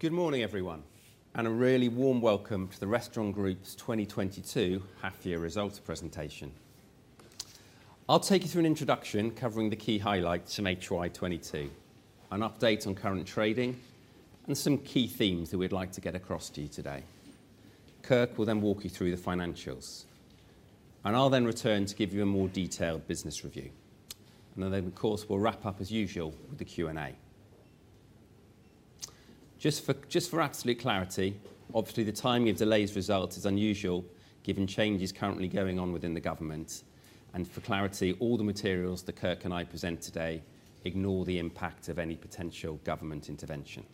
Good morning, everyone, and a really warm welcome to the Restaurant Group 2022 half-year results presentation. I'll take you through an introduction covering the key highlights from HY 2022, an update on current trading, and some key themes that we'd like to get across to you today. Kirk will then walk you through the financials, and I'll then return to give you a more detailed business review. Of course, we'll wrap up as usual with the Q&A. Just for absolute clarity, obviously the timing of delayed results is unusual given changes currently going on within the government, and for clarity, all the materials that Kirk and I present today ignore the impact of any potential government intervention.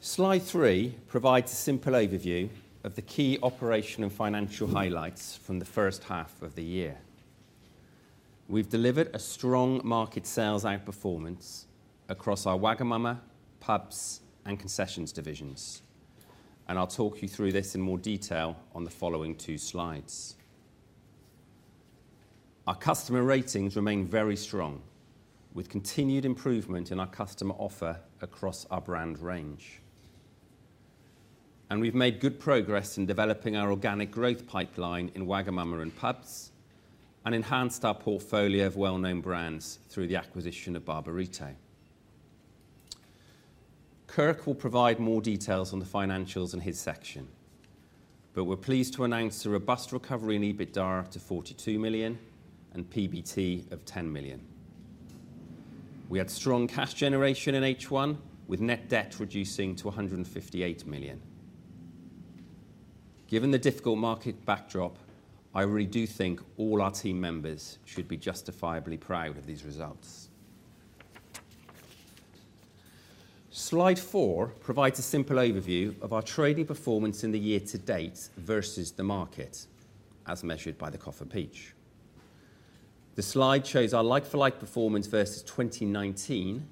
Slide three provides a simple overview of the key operational and financial highlights from the first half of the year. We've delivered a strong market sales outperformance across our Wagamama, pubs, and concessions divisions, and I'll talk you through this in more detail on the following two slides. Our customer ratings remain very strong with continued improvement in our customer offer across our brand range. We've made good progress in developing our organic growth pipeline in Wagamama and pubs and enhanced our portfolio of well-known brands through the acquisition of Barburrito. Kirk will provide more details on the financials in his section, but we're pleased to announce a robust recovery in EBITDA up to 42 million and PBT of 10 million. We had strong cash generation in H1 with net debt reducing to 158 million. Given the difficult market backdrop, I really do think all our team members should be justifiably proud of these results. Slide four provides a simple overview of our trading performance in the year to date versus the market, as measured by the Coffer Peach. The slide shows our like-for-like performance versus 2019,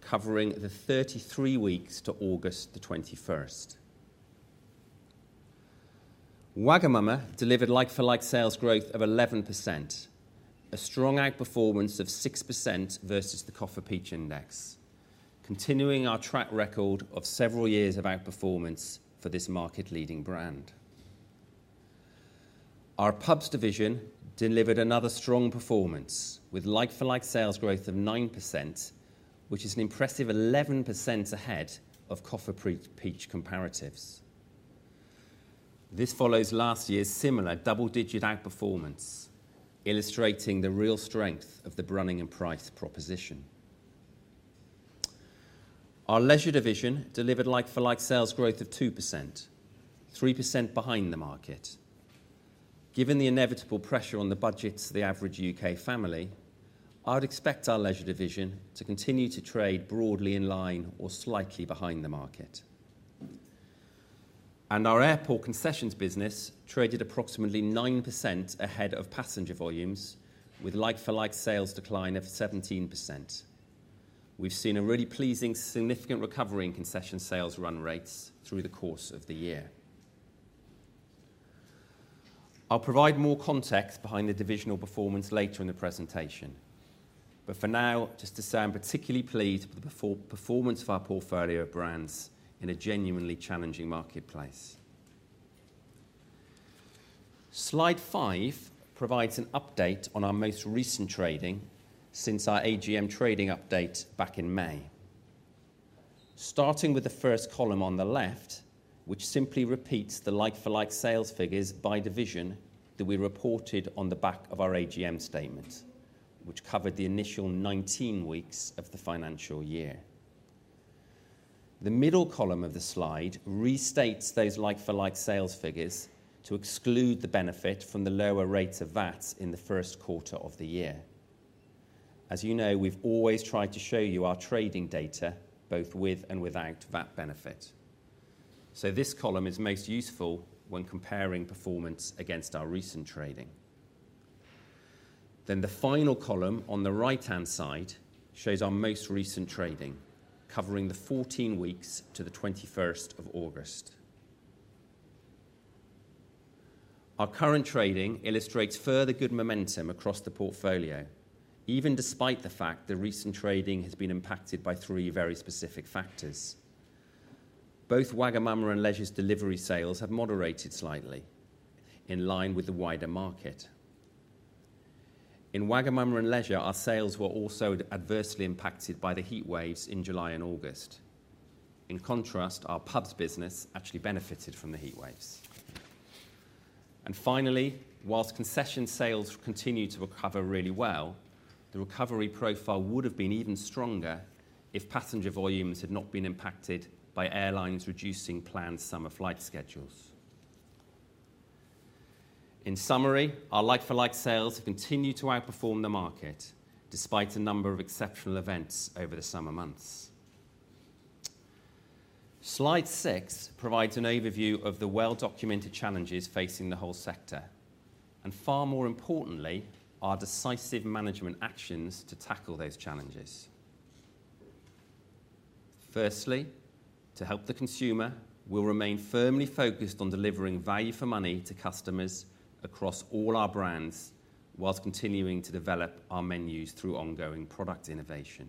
covering the 33 weeks to August the 21st. Wagamama delivered like-for-like sales growth of 11%, a strong outperformance of 6% versus the Coffer Peach index, continuing our track record of several years of outperformance for this market-leading brand. Our pubs division delivered another strong performance with like-for-like sales growth of 9%, which is an impressive 11% ahead of Coffer Peach comparatives. This follows last year's similar double-digit outperformance, illustrating the real strength of the Brunning & Price proposition. Our leisure division delivered like-for-like sales growth of 2%, 3% behind the market. Given the inevitable pressure on the budgets of the average UK family, I would expect our leisure division to continue to trade broadly in line or slightly behind the market. Our airport concessions business traded approximately 9% ahead of passenger volumes with like-for-like sales decline of 17%. We've seen a really pleasing significant recovery in concession sales run rates through the course of the year. I'll provide more context behind the divisional performance later in the presentation, but for now, just to say I'm particularly pleased with the performance of our portfolio of brands in a genuinely challenging marketplace. Slide five provides an update on our most recent trading since our AGM trading update back in May. Starting with the first column on the left, which simply repeats the like-for-like sales figures by division that we reported on the back of our AGM statement, which covered the initial 19 weeks of the financial year. The middle column of the slide restates those like-for-like sales figures to exclude the benefit from the lower rates of VAT in the first quarter of the year. As you know, we've always tried to show you our trading data both with and without VAT benefit. This column is most useful when comparing performance against our recent trading. The final column on the right-hand side shows our most recent trading, covering the 14 weeks to the August 21st. Our current trading illustrates further good momentum across the portfolio, even despite the fact that recent trading has been impacted by three very specific factors. Both Wagamama and Leisure's delivery sales have moderated slightly in line with the wider market. In Wagamama and Leisure, our sales were also adversely impacted by the heatwaves in July and August. In contrast, our pubs business actually benefited from the heatwaves. Finally, while concession sales continue to recover really well, the recovery profile would have been even stronger if passenger volumes had not been impacted by airlines reducing planned summer flight schedules. In summary, our like-for-like sales have continued to outperform the market despite a number of exceptional events over the summer months. Slide six provides an overview of the well-documented challenges facing the whole sector, and far more importantly, our decisive management actions to tackle those challenges. Firstly, to help the consumer, we'll remain firmly focused on delivering value for money to customers across all our brands, while continuing to develop our menus through ongoing product innovation.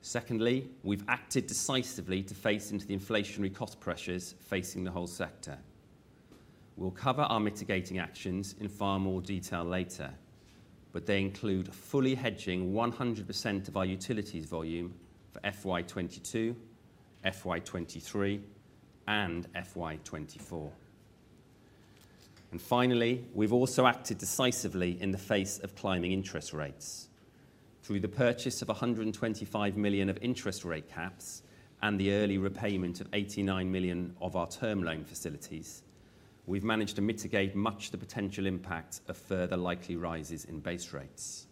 Secondly, we've acted decisively to face into the inflationary cost pressures facing the whole sector. We'll cover our mitigating actions in far more detail later, but they include fully hedging 100% of our utilities volume for FY 2022, FY 2023, and FY 2024. Finally, we've also acted decisively in the face of climbing interest rates. Through the purchase of 125 million of interest rate caps and the early repayment of 89 million of our term loan facilities, we've managed to mitigate much of the potential impact of further likely rises in base rates.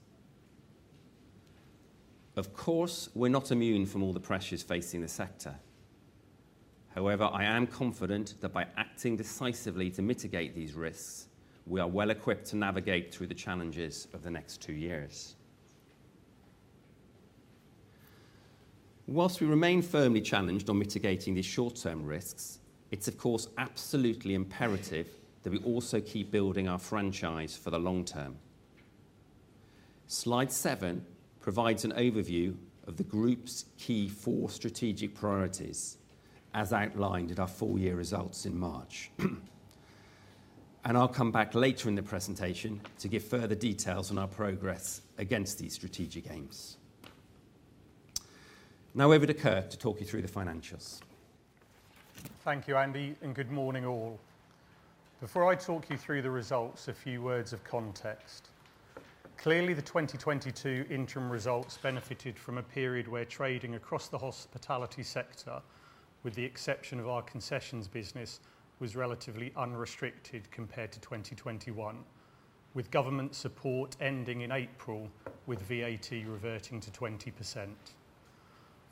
Of course, we're not immune from all the pressures facing the sector. However, I am confident that by acting decisively to mitigate these risks, we are well equipped to navigate through the challenges of the next two years. While we remain firmly challenged on mitigating these short-term risks, it's of course absolutely imperative that we also keep building our franchise for the long term. Slide seven provides an overview of the group's key four strategic priorities, as outlined at our full year results in March. I'll come back later in the presentation to give further details on our progress against these strategic aims. Now over to Kirk to talk you through the financials. Thank you, Andy, and good morning all. Before I talk you through the results, a few words of context. Clearly, the 2022 interim results benefited from a period where trading across the hospitality sector, with the exception of our concessions business, was relatively unrestricted compared to 2021, with government support ending in April, with VAT reverting to 20%.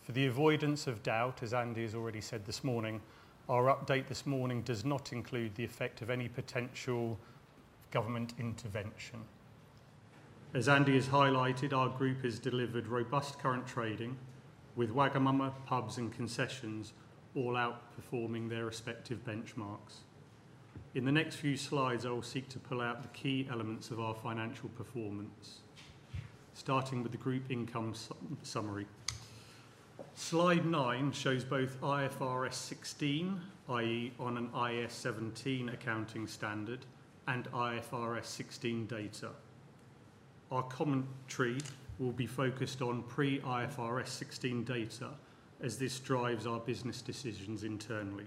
For the avoidance of doubt, as Andy has already said this morning, our update this morning does not include the effect of any potential government intervention. As Andy has highlighted, our group has delivered robust current trading with Wagamama, pubs and concessions all outperforming their respective benchmarks. In the next few slides, I will seek to pull out the key elements of our financial performance, starting with the group income summary. Slide nine shows both IFRS 16, i.e., on an IAS 17 accounting standard, and IFRS 16 data. Our commentary will be focused on pre-IFRS 16 data as this drives our business decisions internally.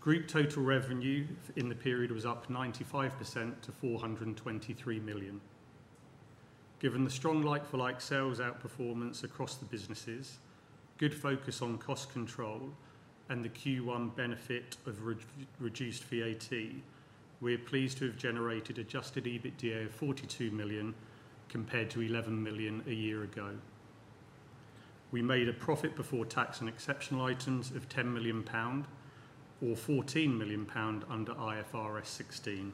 Group total revenue in the period was up 95% to 423 million. Given the strong like-for-like sales outperformance across the businesses, good focus on cost control and the Q1 benefit of reduced VAT, we are pleased to have generated adjusted EBITDA of 42 million compared to 11 million a year ago. We made a profit before tax and exceptional items of 10 million pound or 14 million pound under IFRS 16.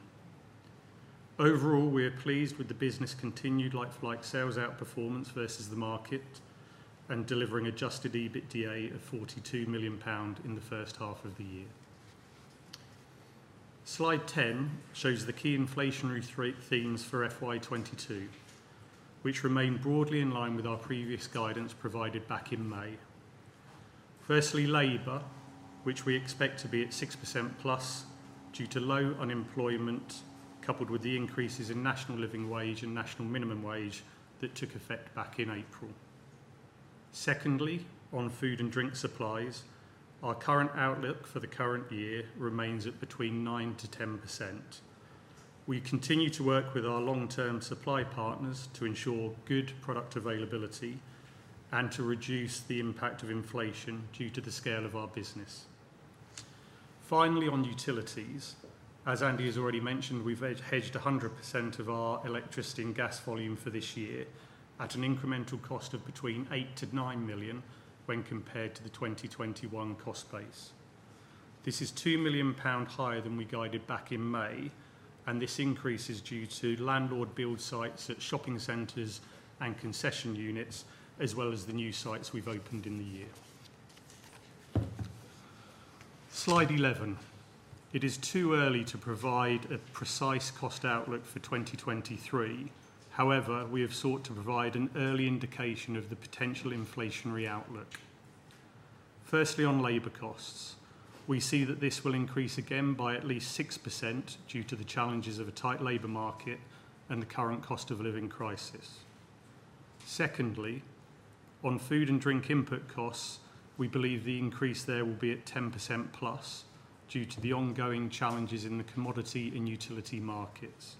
Overall, we are pleased with the business's continued like-for-like sales outperformance versus the market and delivering adjusted EBITDA of 42 million pound in the first half of the year. Slide 10 shows the key inflationary threat themes for FY 2022, which remain broadly in line with our previous guidance provided back in May. Firstly, labor, which we expect to be at 6%+ due to low unemployment, coupled with the increases in National Living Wage and National Minimum Wage that took effect back in April. Secondly, on food and drink supplies, our current outlook for the current year remains at between 9%-10%. We continue to work with our long-term supply partners to ensure good product availability and to reduce the impact of inflation due to the scale of our business. Finally, on utilities, as Andy has already mentioned, we've hedged 100% of our electricity and gas volume for this year at an incremental cost of between 8 million-9 million when compared to the 2021 cost base. This is 2 million pounds higher than we guided back in May, and this increase is due to landlord build sites at shopping centers and concession units, as well as the new sites we've opened in the year. Slide 11. It is too early to provide a precise cost outlook for 2023. However, we have sought to provide an early indication of the potential inflationary outlook. Firstly, on labor costs, we see that this will increase again by at least 6% due to the challenges of a tight labor market and the current cost of living crisis. Secondly, on food and drink input costs, we believe the increase there will be at 10%+ due to the ongoing challenges in the commodity and utility markets.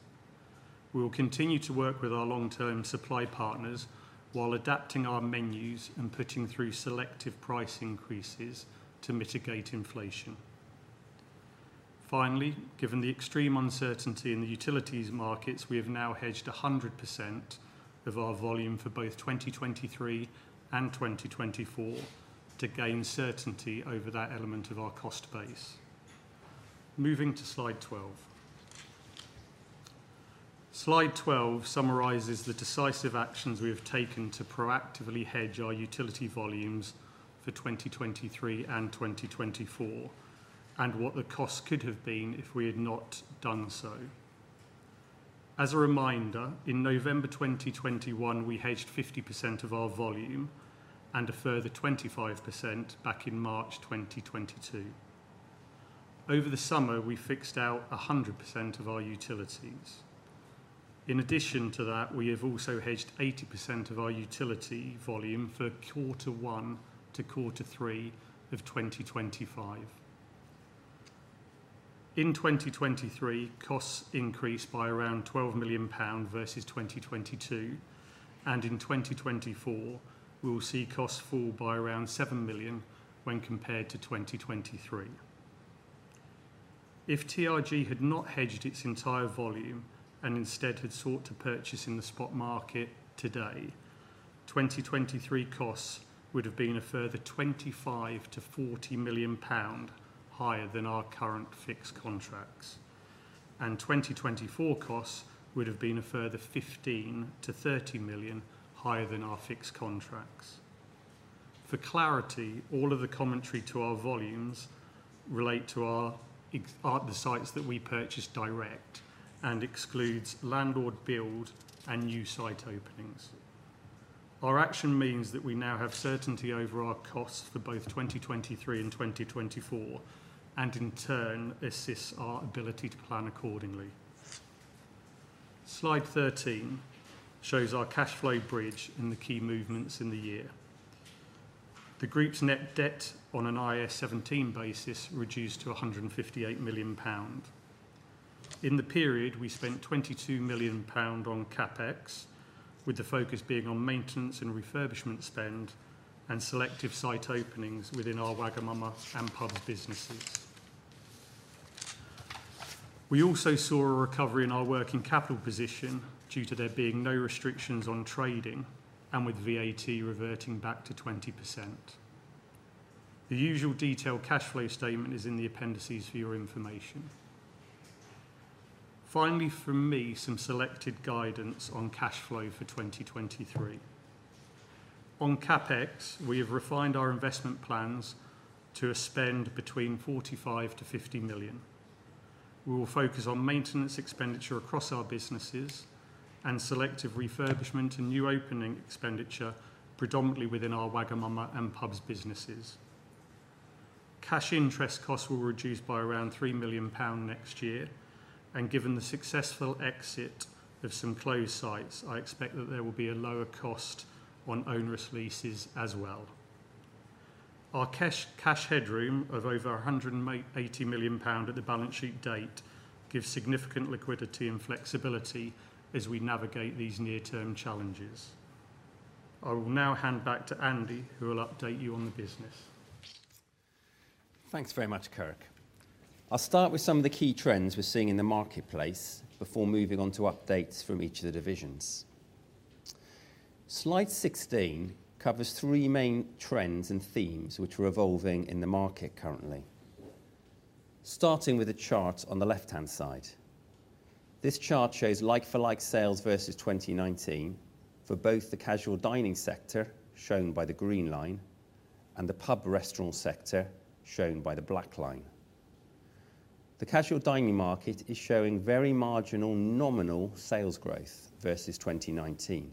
We will continue to work with our long-term supply partners while adapting our menus and putting through selective price increases to mitigate inflation. Finally, given the extreme uncertainty in the utilities markets, we have now hedged 100% of our volume for both 2023 and 2024 to gain certainty over that element of our cost base. Moving to slide 12. Slide 12 summarizes the decisive actions we have taken to proactively hedge our utility volumes for 2023 and 2024 and what the costs could have been if we had not done so. As a reminder, in November 2021, we hedged 50% of our volume and a further 20% back in March 2022. Over the summer, we fixed out 100% of our utilities. In addition to that, we have also hedged 80% of our utility volume for quarter one to quarter three of 2025. In 2023, costs increased by around 12 million pound versus 2022, and in 2024 we will see costs fall by around 7 million when compared to 2023. If TRG had not hedged its entire volume and instead had sought to purchase in the spot market today, 2023 costs would have been a further 25 million-40 million pound higher than our current fixed contracts, and 2024 costs would have been a further 15 million-30 million higher than our fixed contracts. For clarity, all of the commentary to our volumes relate to the sites that we purchase direct and excludes landlord build and new site openings. Our action means that we now have certainty over our costs for both 2023 and 2024, and in turn assists our ability to plan accordingly. Slide 13 shows our cash flow bridge and the key movements in the year. The group's net debt on an IAS 17 basis reduced to 158 million pounds. In the period, we spent 22 million pound on CapEx, with the focus being on maintenance and refurbishment spend and selective site openings within our Wagamama and pub businesses. We also saw a recovery in our working capital position due to there being no restrictions on trading and with VAT reverting back to 20%. The usual detailed cash flow statement is in the appendices for your information. Finally from me, some selected guidance on cash flow for 2023. On CapEx, we have refined our investment plans to a spend between 45 million-50 million. We will focus on maintenance expenditure across our businesses and selective refurbishment and new opening expenditure, predominantly within our Wagamama and pubs businesses. Cash interest costs will reduce by around 3 million pound next year, and given the successful exit of some closed sites, I expect that there will be a lower cost on onerous leases as well. Our cash headroom of over 180 million pound at the balance sheet date gives significant liquidity and flexibility as we navigate these near-term challenges. I will now hand back to Andy, who will update you on the business. Thanks very much, Kirk. I'll start with some of the key trends we're seeing in the marketplace before moving on to updates from each of the divisions. Slide 16 covers three main trends and themes which are evolving in the market currently. Starting with the chart on the left-hand side. This chart shows like-for-like sales versus 2019 for both the casual dining sector, shown by the green line, and the pub restaurant sector, shown by the black line. The casual dining market is showing very marginal nominal sales growth versus 2019.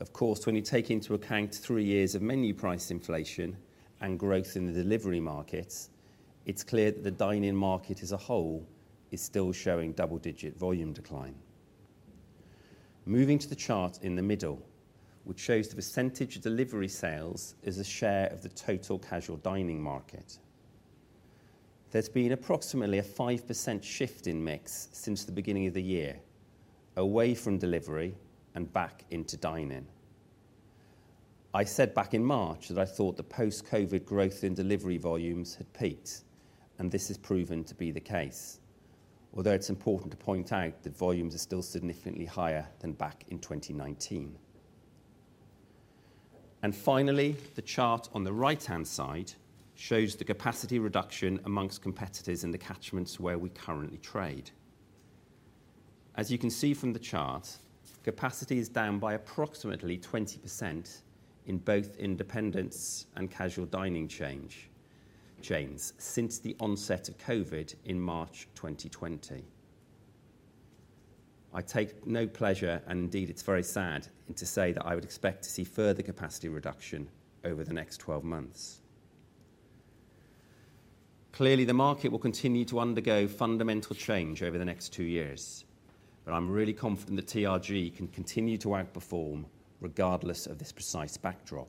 Of course, when you take into account three years of menu price inflation and growth in the delivery markets, it's clear that the dine-in market as a whole is still showing double-digit volume decline. Moving to the chart in the middle, which shows the percentage of delivery sales as a share of the total casual dining market. There's been approximately a 5% shift in mix since the beginning of the year, away from delivery and back into dine-in. I said back in March that I thought the post-COVID growth in delivery volumes had peaked, and this has proven to be the case, although it's important to point out that volumes are still significantly higher than back in 2019. Finally, the chart on the right-hand side shows the capacity reduction among competitors in the catchments where we currently trade. As you can see from the chart, capacity is down by approximately 20% in both independents and casual dining chains since the onset of COVID in March 2020. I take no pleasure, and indeed it's very sad, to say that I would expect to see further capacity reduction over the next 12 months. Clearly, the market will continue to undergo fundamental change over the next two years, but I'm really confident that TRG can continue to outperform regardless of this precise backdrop.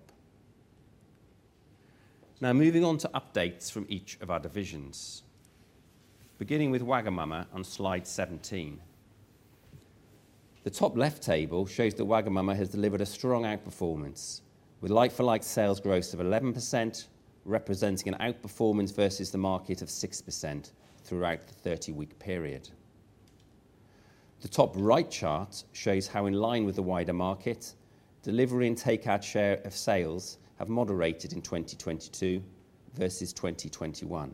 Now moving on to updates from each of our divisions, beginning with Wagamama on slide 17. The top left table shows that Wagamama has delivered a strong outperformance with like-for-like sales growth of 11%, representing an outperformance versus the market of 6% throughout the 30-week period. The top right chart shows how, in line with the wider market, delivery and takeout share of sales have moderated in 2022 versus 2021.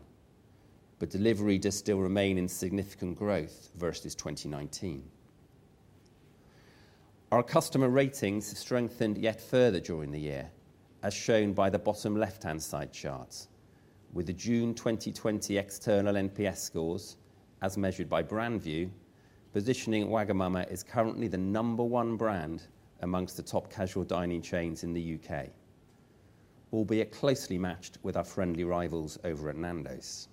Delivery does still remain in significant growth versus 2019. Our customer ratings have strengthened yet further during the year, as shown by the bottom left-hand side chart. With the June 2020 external NPS scores, as measured by BrandVue, positioning Wagamama is currently the number one brand amongst the top casual dining chains in the U.K., albeit closely matched with our friendly rivals over at Nando's.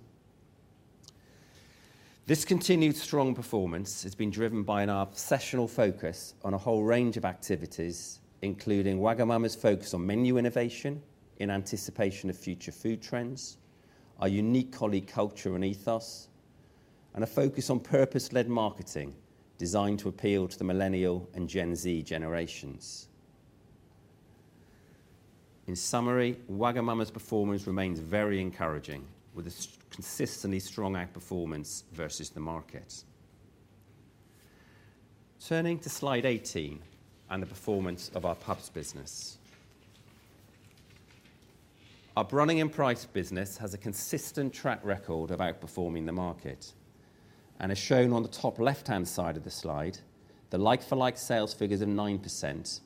This continued strong performance has been driven by an obsessional focus on a whole range of activities, including Wagamama's focus on menu innovation in anticipation of future food trends, our unique colleague culture and ethos, and a focus on purpose-led marketing designed to appeal to the Millennial and Gen Z generations. In summary, Wagamama's performance remains very encouraging with consistently strong outperformance versus the market. Turning to slide 18 and the performance of our pubs business. Our Brunning & Price business has a consistent track record of outperforming the market. As shown on the top left-hand side of the slide, the like-for-like sales figures of 9%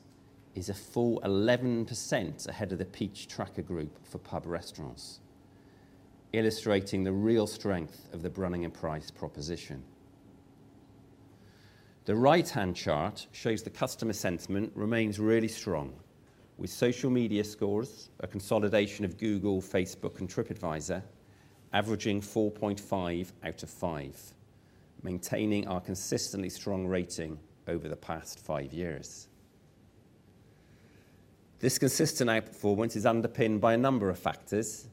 is a full 11% ahead of the Peach Tracker group for pub restaurants, illustrating the real strength of the Brunning & Price proposition. The right-hand chart shows that customer sentiment remains really strong with social media scores, a consolidation of Google, Facebook, and Tripadvisor averaging 4.5 out of five, maintaining our consistently strong rating over the past five years. This consistent outperformance is underpinned by a number of factors,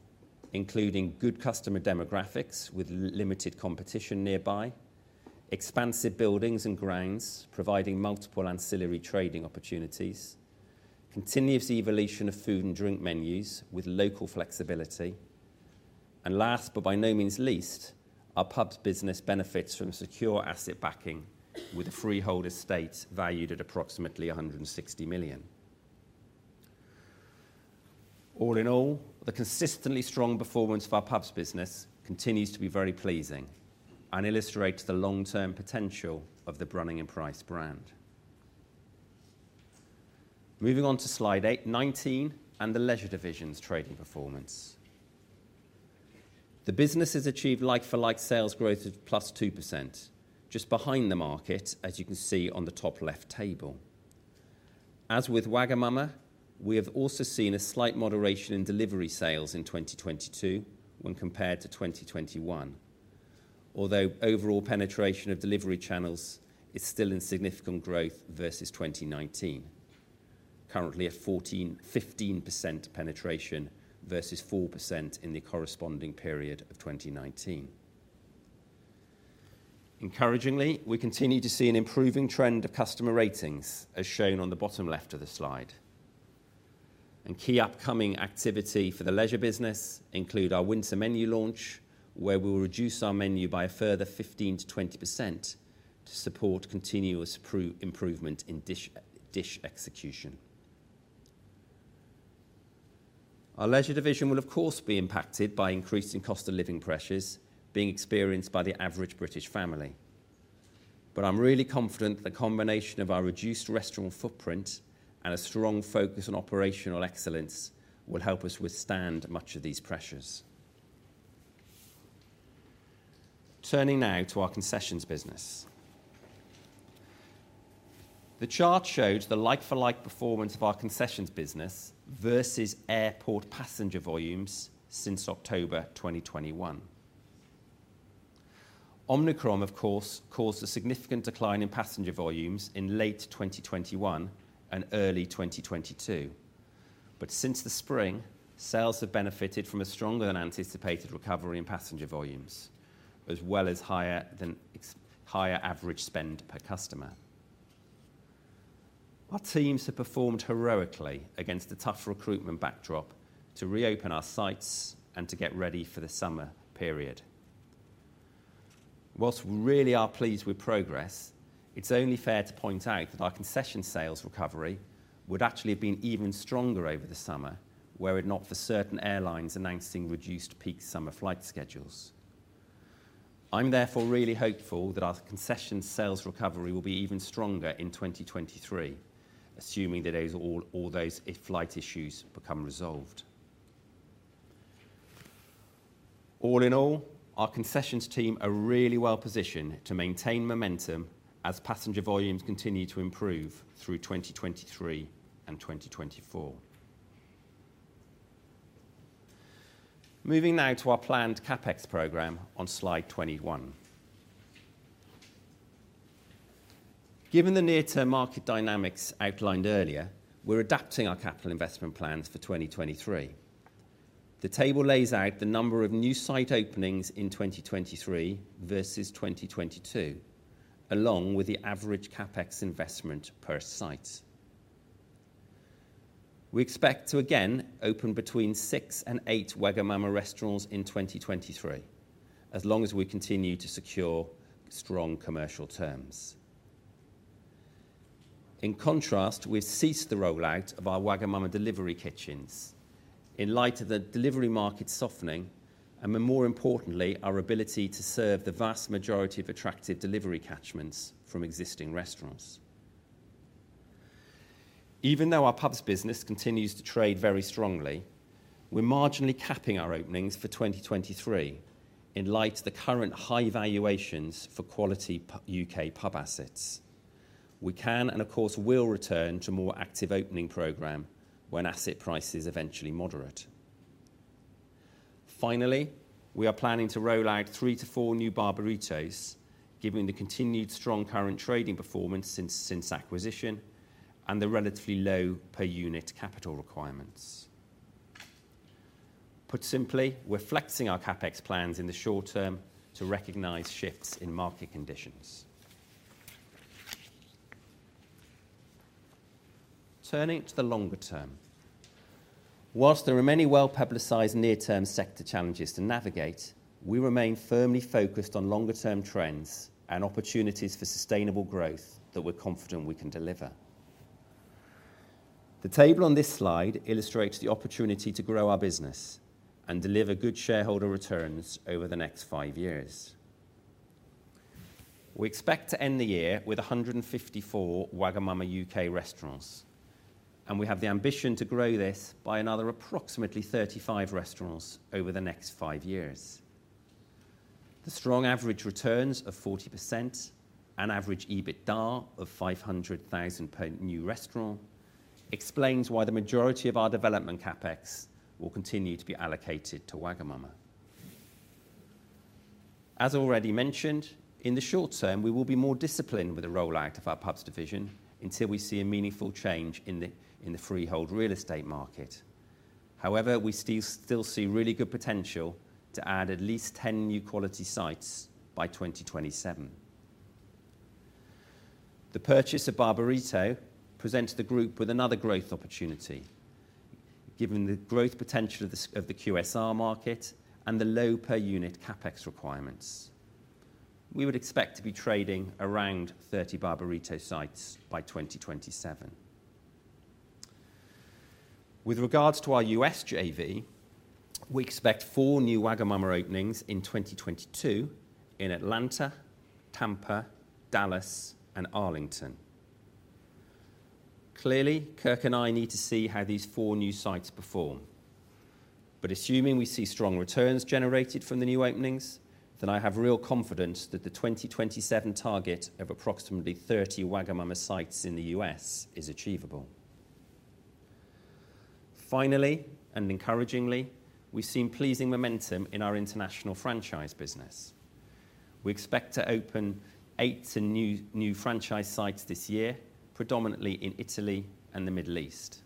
including good customer demographics with limited competition nearby, expansive buildings and grounds providing multiple ancillary trading opportunities, continuous evolution of food and drink menus with local flexibility, and last but by no means least, our pubs business benefits from secure asset backing with a freehold estate valued at approximately 160 million. All in all, the consistently strong performance of our pubs business continues to be very pleasing and illustrates the long-term potential of the Brunning & Price brand. Moving on to slide 19 and the Leisure division's trading performance. The business has achieved like-for-like sales growth of +2%, just behind the market as you can see on the top left table. As with Wagamama, we have also seen a slight moderation in delivery sales in 2022 when compared to 2021. Although overall penetration of delivery channels is still in significant growth versus 2019, currently at 14%-15% penetration versus 4% in the corresponding period of 2019. Encouragingly, we continue to see an improving trend of customer ratings as shown on the bottom left of the slide. Key upcoming activity for the leisure business includes our winter menu launch, where we will reduce our menu by a further 15%-20% to support continuous improvement in dish execution. Our leisure division will of course be impacted by increasing cost of living pressures being experienced by the average British family. I'm really confident the combination of our reduced restaurant footprint and a strong focus on operational excellence will help us withstand much of these pressures. Turning now to our concessions business. The chart shows the like-for-like performance of our concessions business versus airport passenger volumes since October 2021. Omicron, of course, caused a significant decline in passenger volumes in late 2021 and early 2022. Since the spring, sales have benefited from a stronger than anticipated recovery in passenger volumes, as well as higher average spend per customer. Our teams have performed heroically against a tough recruitment backdrop to reopen our sites and to get ready for the summer period. While we really are pleased with progress, it's only fair to point out that our concession sales recovery would actually have been even stronger over the summer were it not for certain airlines announcing reduced peak summer flight schedules. I'm therefore really hopeful that our concessions sales recovery will be even stronger in 2023, assuming that those all those flight issues become resolved. All in all, our concessions team are really well positioned to maintain momentum as passenger volumes continue to improve through 2023 and 2024. Moving now to our planned CapEx program on slide 21. Given the near-term market dynamics outlined earlier, we're adapting our capital investment plans for 2023. The table lays out the number of new site openings in 2023 versus 2022, along with the average CapEx investment per site. We expect to again open between six and eight Wagamama restaurants in 2023, as long as we continue to secure strong commercial terms. In contrast, we've ceased the rollout of our Wagamama delivery kitchens in light of the delivery market softening and more importantly, our ability to serve the vast majority of attractive delivery catchments from existing restaurants. Even though our pubs business continues to trade very strongly, we're marginally capping our openings for 2023 in light of the current high valuations for quality U.K. pub assets. We can, and of course will, return to more active opening program when asset prices eventually moderate. Finally, we are planning to roll out three to four new Barburrito, given the continued strong current trading performance since acquisition and the relatively low per unit capital requirements. Put simply, we're flexing our CapEx plans in the short term to recognize shifts in market conditions. Turning to the longer term, while there are many well-publicized near-term sector challenges to navigate, we remain firmly focused on longer term trends and opportunities for sustainable growth that we're confident we can deliver. The table on this slide illustrates the opportunity to grow our business and deliver good shareholder returns over the next five years. We expect to end the year with 154 Wagamama U.K. restaurants, and we have the ambition to grow this by another approximately 35 restaurants over the next five years. The strong average returns of 40% and average EBITDA of 500,000 per new restaurant explains why the majority of our development CapEx will continue to be allocated to Wagamama. As already mentioned, in the short term, we will be more disciplined with the rollout of our pubs division until we see a meaningful change in the freehold real estate market. However, we still see really good potential to add at least 10 new quality sites by 2027. The purchase of Barburrito presents the group with another growth opportunity, given the growth potential of the QSR market and the low per unit CapEx requirements. We would expect to be trading around 30 Barburrito sites by 2027. With regards to our US JV, we expect four new Wagamama openings in 2022 in Atlanta, Tampa, Dallas and Arlington. Clearly, Kirk and I need to see how these four new sites perform, but assuming we see strong returns generated from the new openings, then I have real confidence that the 2027 target of approximately 30 Wagamama sites in the U.S. is achievable. Finally, and encouragingly, we've seen pleasing momentum in our international franchise business. We expect to open eight new franchise sites this year, predominantly in Italy and the Middle East.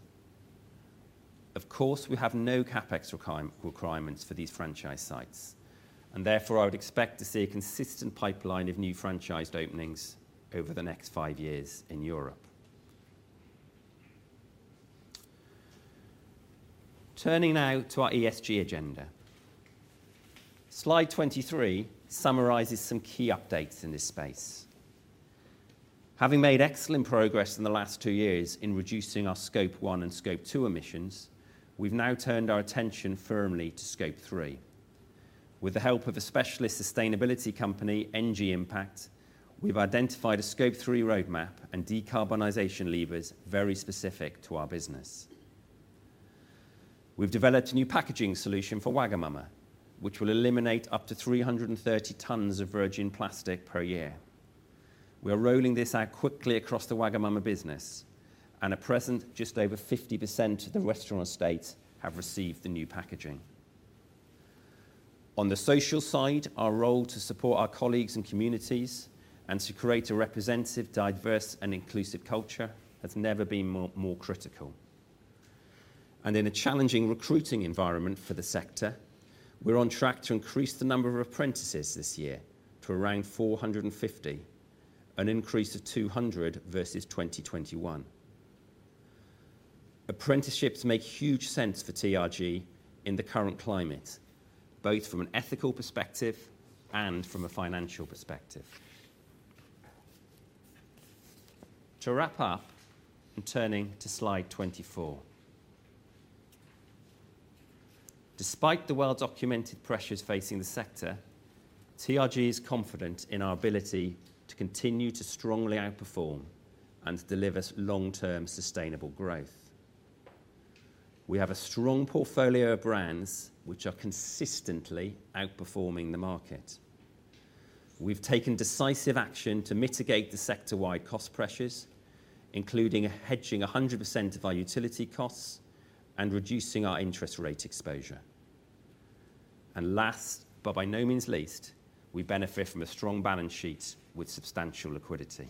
Of course, we have no CapEx requirements for these franchise sites, and therefore I would expect to see a consistent pipeline of new franchised openings over the next five years in Europe. Turning now to our ESG agenda. Slide 23 summarizes some key updates in this space. Having made excellent progress in the last two years in reducing our scope one and scope two emissions, we've now turned our attention firmly to scope three. With the help of a specialist sustainability company, ENGIE Impact, we've identified a scope three roadmap and decarbonization levers very specific to our business. We've developed a new packaging solution for Wagamama, which will eliminate up to 330 tons of virgin plastic per year. We are rolling this out quickly across the Wagamama business, and at present, just over 50% of the restaurant estate have received the new packaging. On the social side, our role to support our colleagues and communities and to create a representative, diverse and inclusive culture has never been more critical. In a challenging recruiting environment for the sector, we're on track to increase the number of apprentices this year to around 450, an increase of 200 versus 2021. Apprenticeships make huge sense for TRG in the current climate, both from an ethical perspective and from a financial perspective. To wrap up and turning to slide 24. Despite the well-documented pressures facing the sector, TRG is confident in our ability to continue to strongly outperform and deliver long-term sustainable growth. We have a strong portfolio of brands which are consistently outperforming the market. We've taken decisive action to mitigate the sector-wide cost pressures, including hedging 100% of our utility costs and reducing our interest rate exposure. Last, but by no means least, we benefit from a strong balance sheet with substantial liquidity.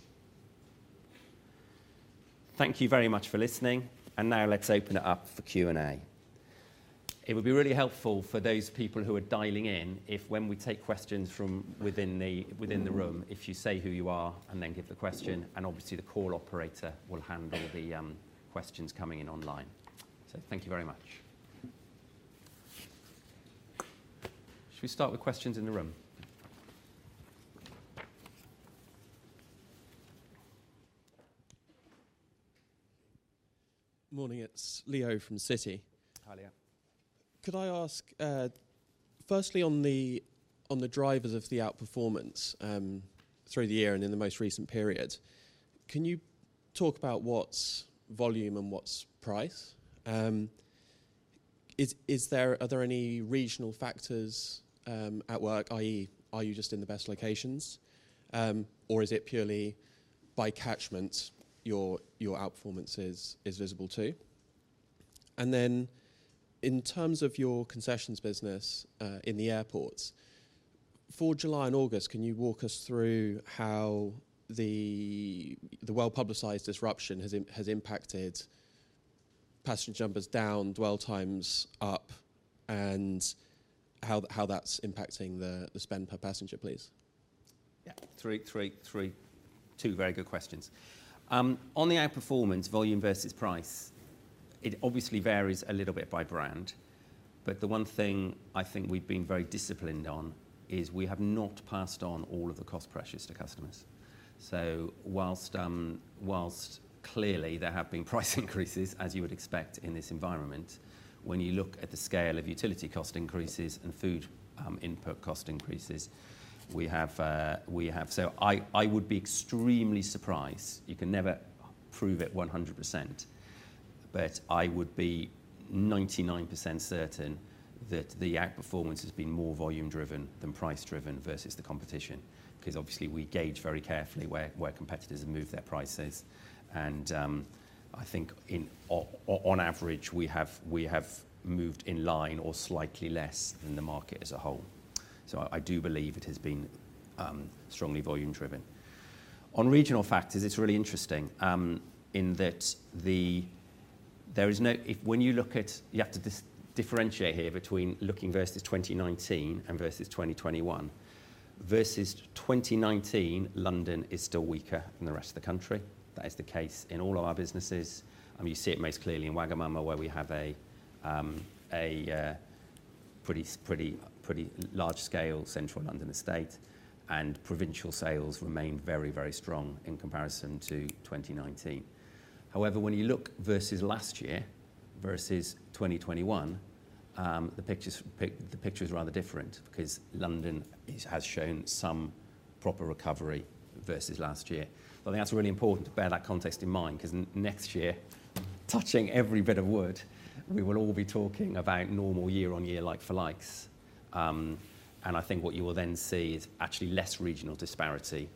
Thank you very much for listening, and now let's open it up for Q&A. It would be really helpful for those people who are dialing in if when we take questions from within the room, if you say who you are and then give the question, and obviously the call operator will handle the questions coming in online. Thank you very much. Should we start with questions in the room? Morning, it's Leo from Citi. Hi, Leo. Could I ask, firstly on the drivers of the outperformance, through the year and in the most recent period, can you talk about what's volume and what's price? Are there any regional factors at work, i.e., are you just in the best locations, or is it purely by catchment, your outperformance is visible too? Then in terms of your concessions business in the airports, for July and August, can you walk us through how the well-publicized disruption has impacted passenger numbers down, dwell times up, and how that's impacting the spend per passenger, please? Yeah. three, three, two very good questions. On the outperformance, volume versus price, it obviously varies a little bit by brand, but the one thing I think we've been very disciplined on is we have not passed on all of the cost pressures to customers. While clearly there have been price increases as you would expect in this environment, when you look at the scale of utility cost increases and food input cost increases, we have. I would be extremely surprised. You can never prove it 100%, but I would be 99% certain that the outperformance has been more volume driven than price driven versus the competition. 'Cause obviously we gauge very carefully where competitors have moved their prices and, I think on average, we have moved in line or slightly less than the market as a whole. I do believe it has been strongly volume driven. On regional factors, it's really interesting, in that you have to differentiate here between looking versus 2019 and versus 2021. Versus 2019, London is still weaker than the rest of the country. That is the case in all of our businesses, and you see it most clearly in Wagamama where we have a pretty large scale Central London estate and provincial sales remain very strong in comparison to 2019. However, when you look versus last year, versus 2021, the picture is rather different because London has shown some proper recovery versus last year. I think that's really important to bear that context in mind 'cause next year, touching every bit of wood, we will all be talking about normal year-on-year like-for-likes. I think what you will then see is actually less regional disparity,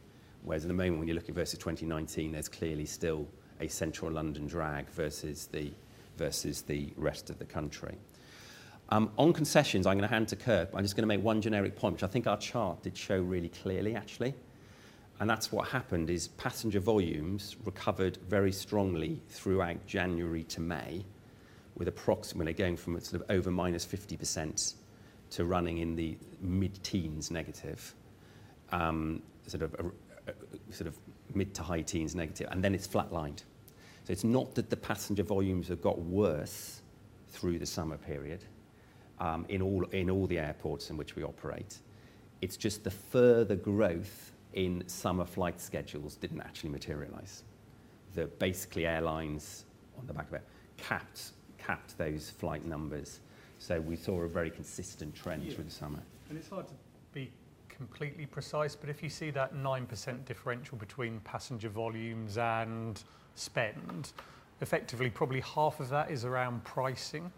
whereas at the moment when you're looking versus 2019, there's clearly still a Central London drag versus the rest of the country. On concessions, I'm gonna hand to Kirk, but I'm just gonna make one generic point which I think our chart did show really clearly actually, and that's what happened is passenger volumes recovered very strongly throughout January to May with going from sort of over -50% to running in the mid-teens negative, sort of mid- to high-teens negative, and then it's flatlined. It's not that the passenger volumes have got worse through the summer period, in all the airports in which we operate, it's just the further growth in summer flight schedules didn't actually materialize. Basically airlines, on the back of it, capped those flight numbers. We saw a very consistent trend through the summer. Yeah. It's hard to be completely precise, but if you see that 9% differential between passenger volumes and spend, effectively probably half of that is around pricing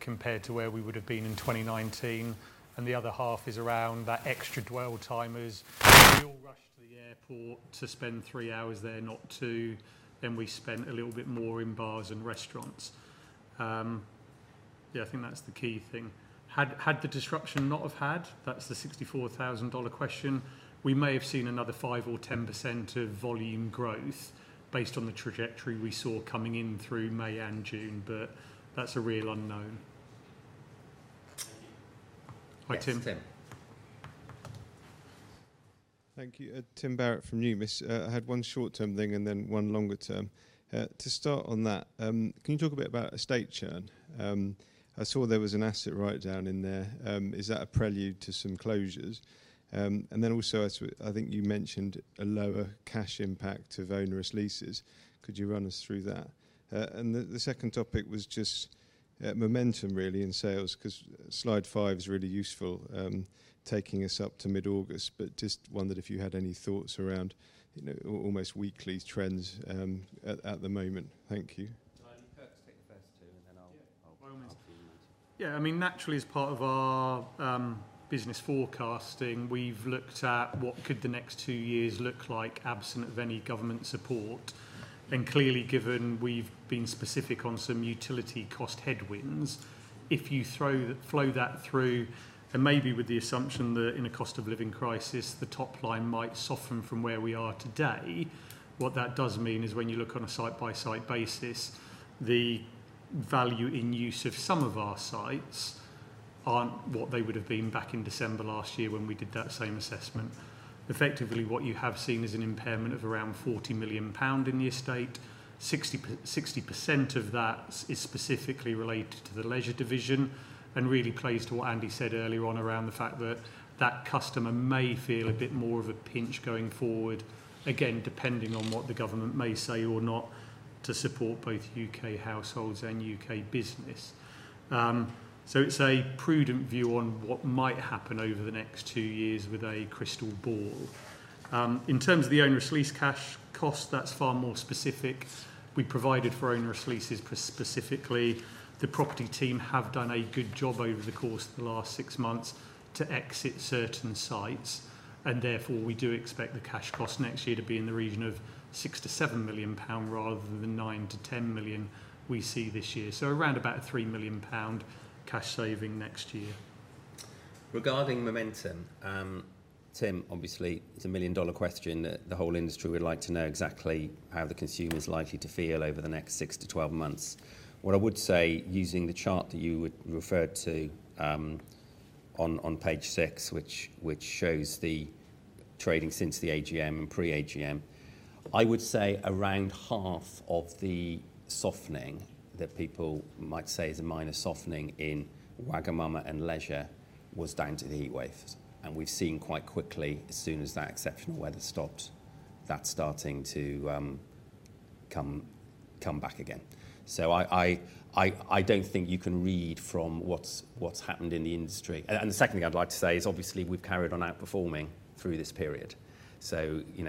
compared to where we would have been in 2019, and the other half is around that extra dwell time as we all rushed to the airport to spend three hours there, not two, then we spent a little bit more in bars and restaurants. Yeah, I think that's the key thing. Had the disruption not have had, that's the $64,000 question, we may have seen another 5% or 10% of volume growth based on the trajectory we saw coming in through May and June, but that's a real unknown. Thank you. Hi, Tim. Yes, Tim. Thank you. Tim Barrett from Numis. I had one short-term thing and then one longer-term. To start on that, can you talk a bit about estate churn? I saw there was an asset write-down in there. Is that a prelude to some closures? And then also as to, I think you mentioned a lower cash impact of onerous leases. Could you run us through that? And the second topic was just momentum really in sales 'cause slide five is really useful, taking us up to mid-August, but just wondered if you had any thoughts around, you know, almost weekly trends, at the moment. Thank you. I'll let Kirk take the first two, and then I'll come in. Yeah. By all means. Yeah. I mean, naturally as part of our business forecasting, we've looked at what could the next two years look like absent of any government support. Clearly given we've been specific on some utility cost headwinds, if you flow that through, and maybe with the assumption that in a cost of living crisis, the top line might soften from where we are today, what that does mean is when you look on a site by site basis, the value in use of some of our sites aren't what they would have been back in December last year when we did that same assessment. Effectively, what you have seen is an impairment of around 40 million pound in the estate. 60% of that is specifically related to the leisure division and really plays to what Andy said earlier on around the fact that that customer may feel a bit more of a pinch going forward, again, depending on what the government may say or not to support both U.K. households and U.K. business. It's a prudent view on what might happen over the next two years with a crystal ball. In terms of the onerous lease cash cost, that's far more specific. We provided for onerous leases specifically. The property team have done a good job over the course of the last six months to exit certain sites, and therefore, we do expect the cash cost next year to be in the region of 6 million-7 million pound rather than the 9 million-10 million we see this year. Around about a 3 million pound cash saving next year. Regarding momentum, Tim, obviously it's a $1 million question that the whole industry would like to know exactly how the consumer's likely to feel over the next six to 12 months. What I would say, using the chart that you referred to, on page six, which shows the trading since the AGM and pre-AGM, I would say around half of the softening that people might say is a minor softening in Wagamama and Leisure was down to the heat wave. We've seen quite quickly, as soon as that exceptional weather stopped, that's starting to come back again. I don't think you can read from what's happened in the industry. The second thing I'd like to say is obviously we've carried on outperforming through this period, so, you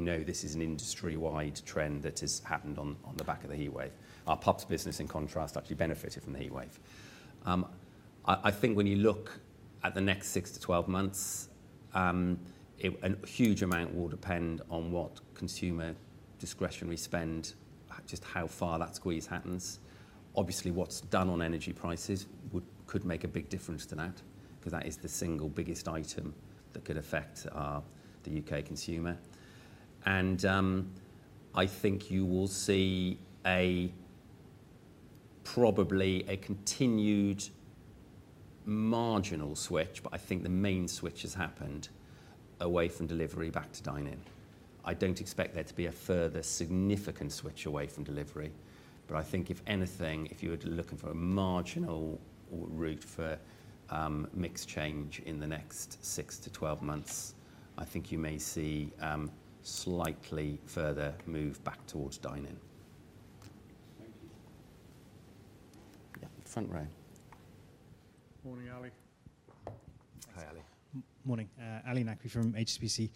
know, this is an industry-wide trend that has happened on the back of the heat wave. Our pubs business, in contrast, actually benefited from the heat wave. I think when you look at the next six to 12 months, it, a huge amount will depend on what consumer discretionary spend, just how far that squeeze happens. Obviously, what's done on energy prices could make a big difference to that, 'cause that is the single biggest item that could affect the U.K. consumer. I think you will see probably a continued marginal switch, but I think the main switch has happened away from delivery back to dine-in. I don't expect there to be a further significant switch away from delivery, but I think if anything, if you were to look for a marginal way forward for mix change in the next six to 12 months, I think you may see slightly further move back towards dine-in. Thank you. Yeah, front row. Morning, Ali. Hi, Ali. Morning. Ali Naqvi from HSBC.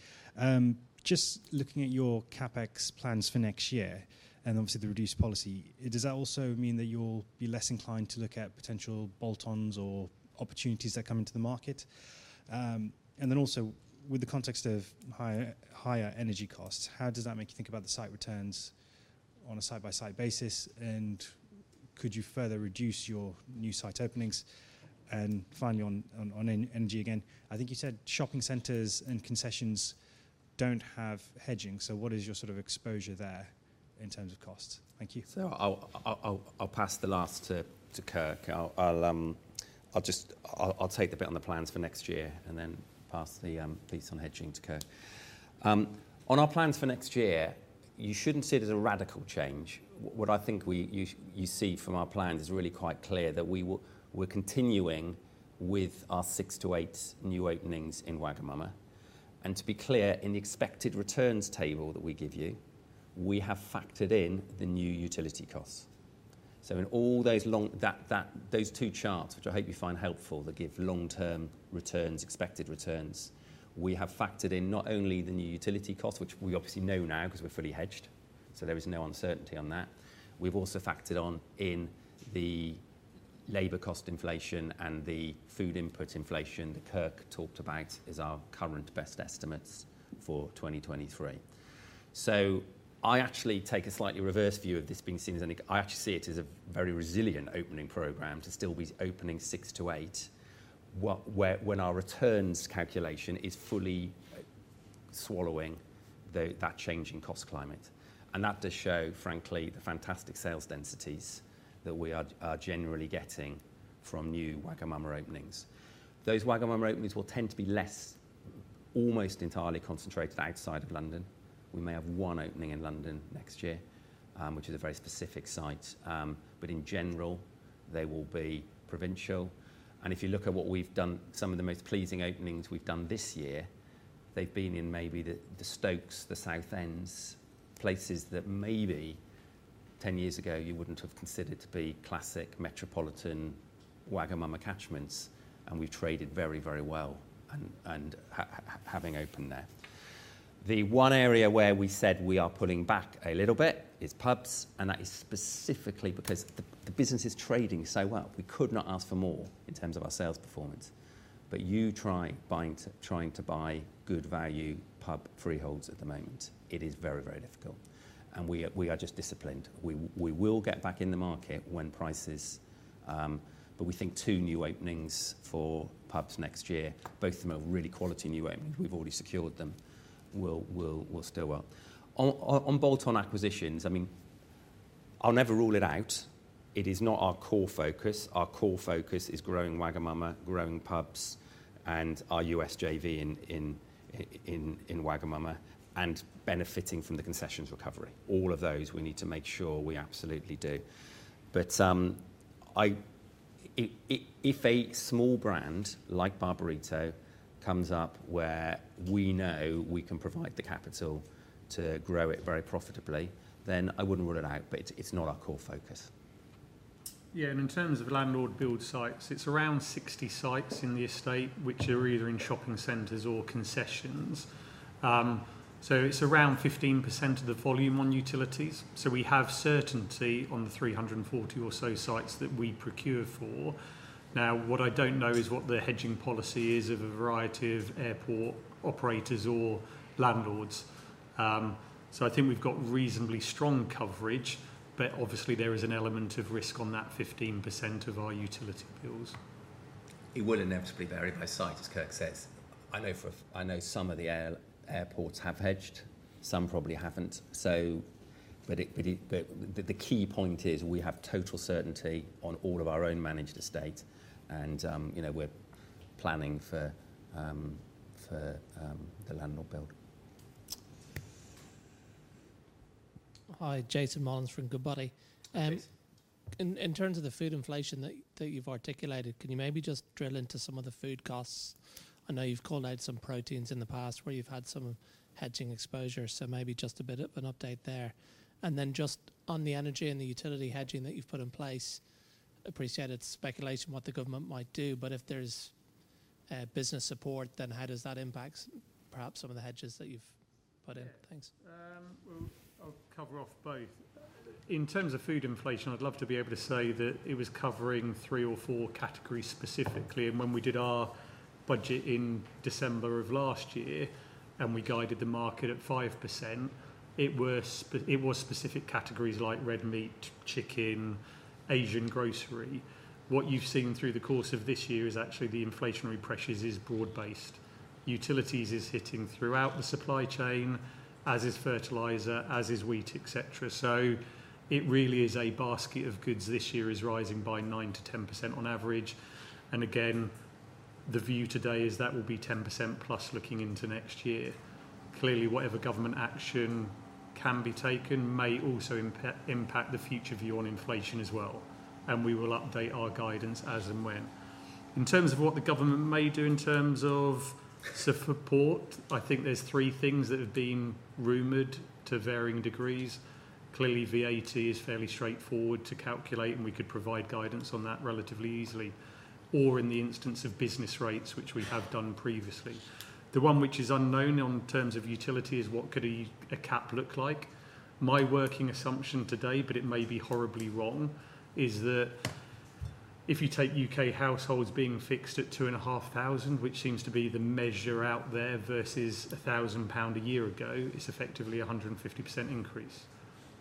Just looking at your CapEx plans for next year and obviously the reduced policy, does that also mean that you'll be less inclined to look at potential bolt-ons or opportunities that come into the market? Then also with the context of higher energy costs, how does that make you think about the site returns on a site-by-site basis, and could you further reduce your new site openings? Finally, on energy again, I think you said shopping centers and concessions don't have hedging, so what is your sort of exposure there in terms of cost? Thank you. I'll pass the last to Kirk. I'll just take the bit on the plans for next year and then pass the piece on hedging to Kirk. On our plans for next year, you shouldn't see it as a radical change. What I think you see from our plans is really quite clear that we're continuing with our six to eight new openings in Wagamama. To be clear, in the expected returns table that we give you, we have factored in the new utility costs. Those two charts, which I hope you find helpful, that give long-term returns, expected returns. We have factored in not only the new utility costs, which we obviously know now 'cause we're fully hedged, so there is no uncertainty on that. We've also factored in the labor cost inflation and the food input inflation that Kirk talked about as our current best estimates for 2023. I actually take a slightly reverse view of this being seen as an. I actually see it as a very resilient opening program to still be opening six to eight where, when our returns calculation is fully swallowing that change in cost climate. That does show, frankly, the fantastic sales densities that we are generally getting from new Wagamama openings. Those Wagamama openings will tend to be less, almost entirely concentrated outside of London. We may have one opening in London next year, which is a very specific site. But in general, they will be provincial. If you look at what we've done, some of the most pleasing openings we've done this year, they've been in maybe the Stoke, the Southend, places that maybe 10 years ago you wouldn't have considered to be classic metropolitan Wagamama catchments, and we've traded very, very well and having opened there. The one area where we said we are pulling back a little bit is pubs, and that is specifically because the business is trading so well. We could not ask for more in terms of our sales performance, but you try trying to buy good value pub freeholds at the moment. It is very, very difficult, and we are just disciplined. We will get back in the market when prices. We think two new openings for pubs next year, both of them are really quality new openings, we've already secured them, will still work. On bolt-on acquisitions, I mean, I'll never rule it out. It is not our core focus. Our core focus is growing Wagamama, growing pubs, and our US JV in Wagamama, and benefiting from the concessions recovery. All of those we need to make sure we absolutely do. If a small brand like Barburrito comes up where we know we can provide the capital to grow it very profitably, then I wouldn't rule it out, but it's not our core focus. Yeah. In terms of landlord billed sites, it's around 60 sites in the estate which are either in shopping centers or concessions. It's around 15% of the volume on utilities, so we have certainty on the 340 or so sites that we procure for. Now, what I don't know is what the hedging policy is of a variety of airport operators or landlords. I think we've got reasonably strong coverage, but obviously there is an element of risk on that 15% of our utility bills. It will inevitably vary by site, as Kirk says. I know some of the airports have hedged, some probably haven't. The key point is we have total certainty on all of our own managed estate and, you know, we're planning for the landlord build. Hi, Jason Molins from Goodbody. Please. In terms of the food inflation that you've articulated, can you maybe just drill into some of the food costs? I know you've called out some proteins in the past where you've had some hedging exposure, so maybe just a bit of an update there. Just on the energy and the utility hedging that you've put in place, I appreciate it's speculation what the government might do, but if there's business support, then how does that impact perhaps some of the hedges that you've put in? Yeah. Thanks. Well, I'll cover off both. In terms of food inflation, I'd love to be able to say that it was covering three or four categories specifically, and when we did our budget in December of last year and we guided the market at 5%, it was specific categories like red meat, chicken, Asian grocery. What you've seen through the course of this year is actually the inflationary pressures is broad based. Utilities is hitting throughout the supply chain, as is fertilizer, as is wheat, et cetera. So it really is a basket of goods this year is rising by 9%-10% on average, and again, the view today is that will be 10%+ looking into next year. Clearly, whatever government action can be taken may also impact the future view on inflation as well, and we will update our guidance as and when. In terms of what the government may do in terms of support, I think there's three things that have been rumored to varying degrees. Clearly, VAT is fairly straightforward to calculate, and we could provide guidance on that relatively easily, or in the instance of business rates, which we have done previously. The one which is unknown in terms of utility is what could a cap look like. My working assumption today, but it may be horribly wrong, is that if you take U.K. households being fixed at 2,500, which seems to be the measure out there, versus 1,000 pound a year ago, it's effectively a 150% increase.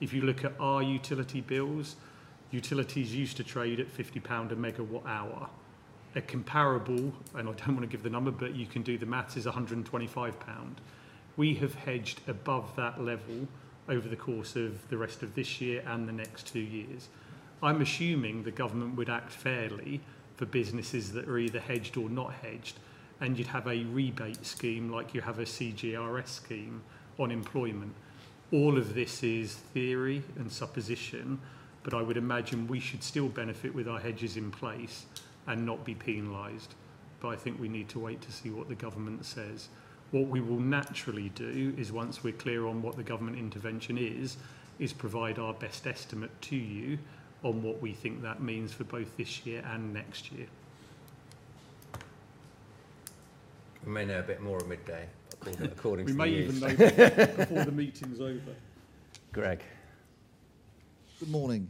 If you look at our utility bills, utilities used to trade at 50 pound a MWh. A comparable, and I don't want to give the number, but you can do the math, is 125 pound. We have hedged above that level over the course of the rest of this year and the next two years. I'm assuming the government would act fairly for businesses that are either hedged or not hedged, and you'd have a rebate scheme like you have a CJRS scheme on employment. All of this is theory and supposition, but I would imagine we should still benefit with our hedges in place and not be penalized. I think we need to wait to see what the government says. What we will naturally do is, once we're clear on what the government intervention is, provide our best estimate to you on what we think that means for both this year and next year. We may know a bit more at midday according to you. We may even know before the meeting's over. Greg. Good morning,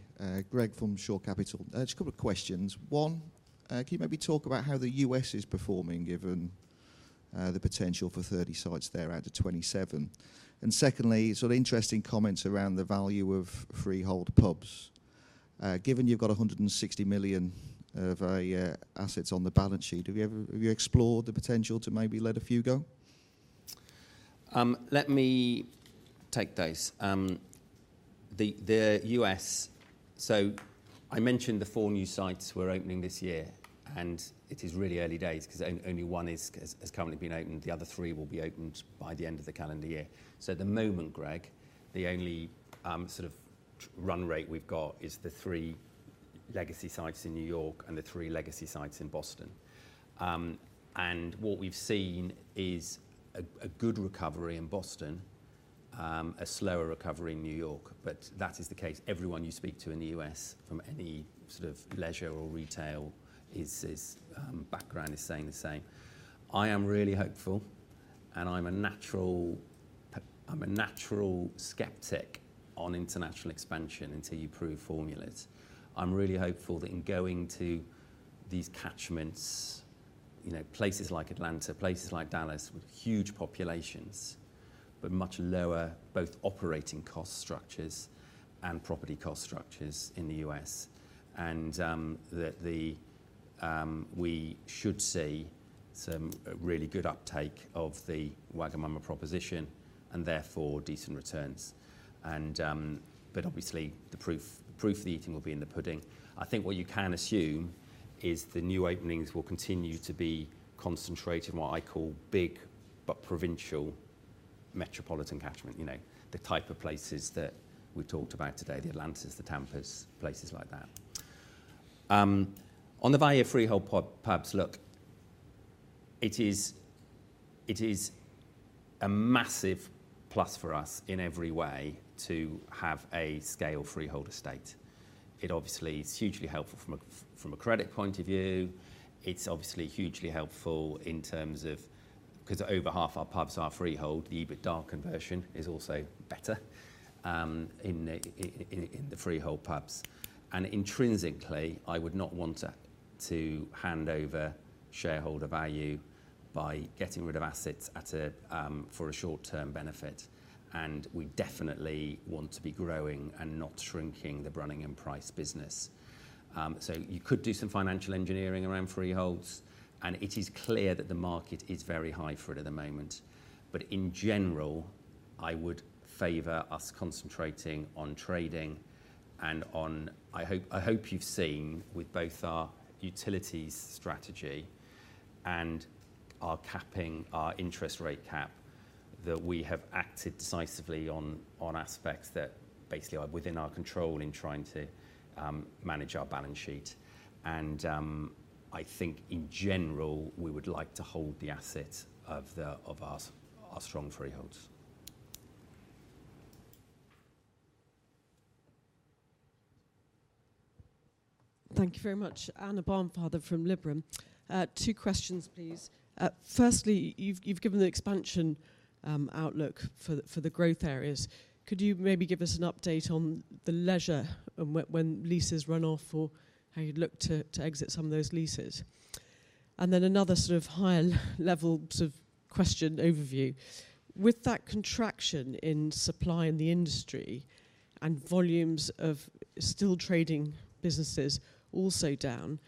Greg from Shore Capital. Just a couple of questions. One, can you maybe talk about how the U.S. is performing given the potential for 30 sites there out of 27 sites? Secondly, sort of interesting comments around the value of freehold pubs. Given you've got 160 million of assets on the balance sheet, have you explored the potential to maybe let a few go? Let me take those. The U.S. I mentioned the four new sites we're opening this year, and it is really early days 'cause only one has currently been opened. The other three will be opened by the end of the calendar year. At the moment, Greg, the only sort of run rate we've got is the three legacy sites in New York and the three legacy sites in Boston. What we've seen is a good recovery in Boston, a slower recovery in New York, but that is the case. Everyone you speak to in the U.S. from any sort of leisure or retail is saying the same. I am really hopeful, and I'm a natural skeptic on international expansion until you prove formulas. I'm really hopeful that in going to these catchments, you know, places like Atlanta, places like Dallas with huge populations but much lower both operating cost structures and property cost structures in the U.S. and that we should see some really good uptake of the Wagamama proposition and therefore decent returns. Obviously the proof of the eating will be in the pudding. I think what you can assume is the new openings will continue to be concentrated in what I call big but provincial metropolitan catchment. You know, the type of places that we've talked about today, the Atlantas, the Tampas, places like that. On the value of freehold pubs, look, it is a massive plus for us in every way to have a scale freehold estate. It obviously is hugely helpful from a credit point of view. It's obviously hugely helpful in terms of 'cause over half our pubs are freehold. The EBITDA conversion is also better in the freehold pubs. Intrinsically, I would not want to hand over shareholder value by getting rid of assets at a for a short-term benefit, and we definitely want to be growing and not shrinking the Brunning & Price business. You could do some financial engineering around freeholds, and it is clear that the market is very high for it at the moment. In general, I would favor us concentrating on trading and on I hope you've seen with both our utilities strategy and our interest rate cap that we have acted decisively on aspects that basically are within our control in trying to manage our balance sheet, and I think in general, we would like to hold the assets of our strong freeholds. Thank you very much. Anna Barnfather from Liberum. Two questions, please. Firstly, you've given the expansion outlook for the growth areas. Could you maybe give us an update on the leisure and when leases run off or how you'd look to exit some of those leases? Then another sort of higher level sort of question overview. With that contraction in supply in the industry and volumes of still trading businesses also down,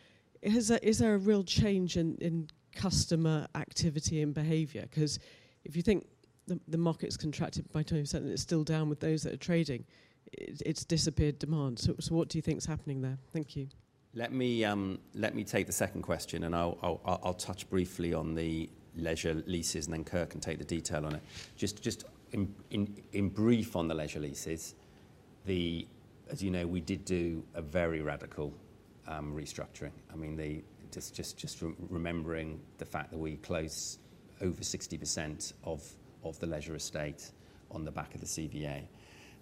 is there a real change in customer activity and behavior? 'Cause if you think the market's contracted by 20% and it's still down with those that are trading, it's disappeared demand. So what do you think is happening there? Thank you. Let me take the second question, and I'll touch briefly on the leisure leases, and then Kirk can take the detail on it. Just in brief on the leisure leases, as you know, we did do a very radical restructuring. I mean, just remembering the fact that we closed over 60% of the leisure estate on the back of the CVA.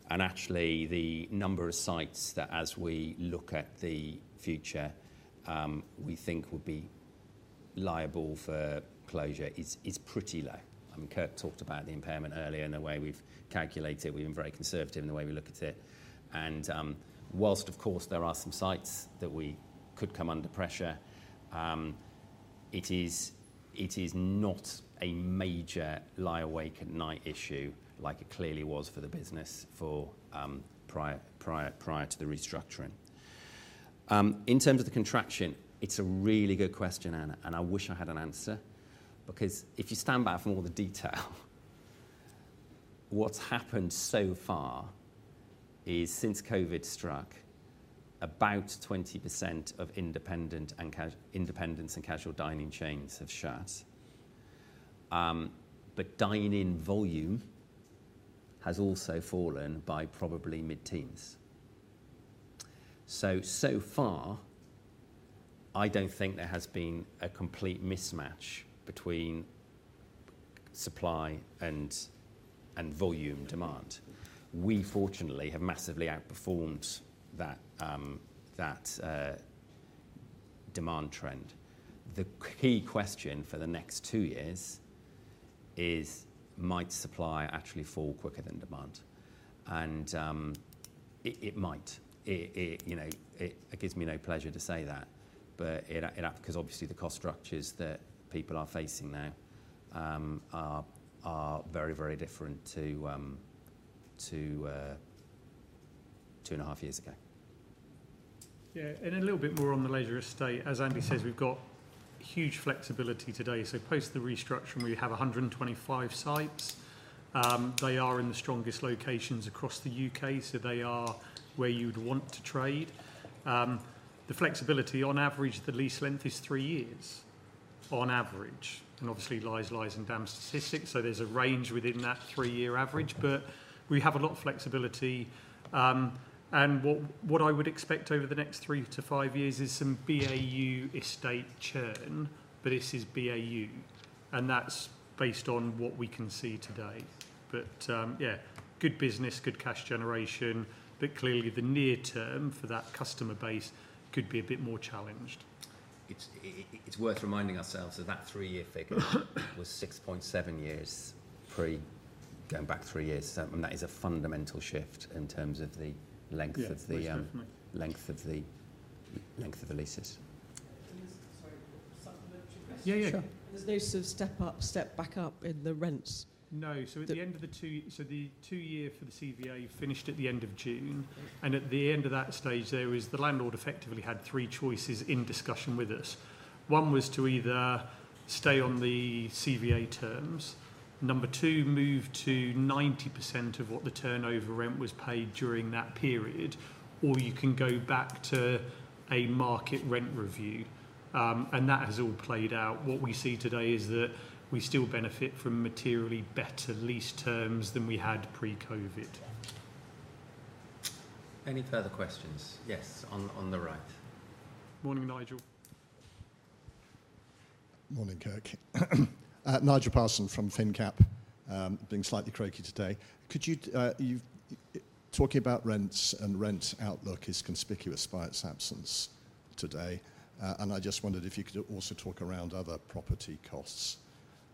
Actually, the number of sites that as we look at the future, we think would be liable for closure is pretty low. I mean, Kirk talked about the impairment earlier and the way we've calculated, we've been very conservative in the way we look at it. Whilst of course there are some sites that we could come under pressure, it is not a major lie-awake-at-night issue like it clearly was for the business for prior to the restructuring. In terms of the contraction, it's a really good question, Anna, and I wish I had an answer because if you stand back from all the detail, what's happened so far is since COVID struck, about 20% of independents and casual dining chains have shut. Dine-in volume has also fallen by probably mid-teens. So far I don't think there has been a complete mismatch between supply and volume demand. We fortunately have massively outperformed that demand trend. The key question for the next two years is might supply actually fall quicker than demand? It might. You know, it gives me no pleasure to say that, but 'cause obviously the cost structures that people are facing now are very, very different to 2.5 Years ago. Yeah. A little bit more on the leisure estate. As Andy says, we've got huge flexibility today. Post the restructure, we have 125 sites. They are in the strongest locations across the U.K., so they are where you'd want to trade. The flexibility on average, the lease length is three years on average, and obviously lies, and damn statistics, so there's a range within that three-year average. We have a lot of flexibility. What I would expect over the next three to five years is some BAU estate churn, but this is BAU, and that's based on what we can see today. Yeah, good business, good cash generation, but clearly the near term for that customer base could be a bit more challenged. It's worth reminding ourselves that three-year figure was 6.7 years going back three years. That is a fundamental shift in terms of the length of the, Yeah. Lease length. Length of the leases. Thanks. Yeah, yeah Sure. There's no sort of step up, step back up in the rents? The two-year for the CVA finished at the end of June, and at the end of that stage there was the landlord effectively had three choices in discussion with us. One was to either stay on the CVA terms. Number two, move to 90% of what the turnover rent was paid during that period, or you can go back to a market rent review. That has all played out. What we see today is that we still benefit from materially better lease terms than we had pre-COVID. Any further questions? Yes, on the right. Morning, Nigel. Morning, Kirk. Nigel Parson from finnCap. Being slightly croaky today. Talking about rents and rent outlook is conspicuous by its absence today. I just wondered if you could also talk around other property costs.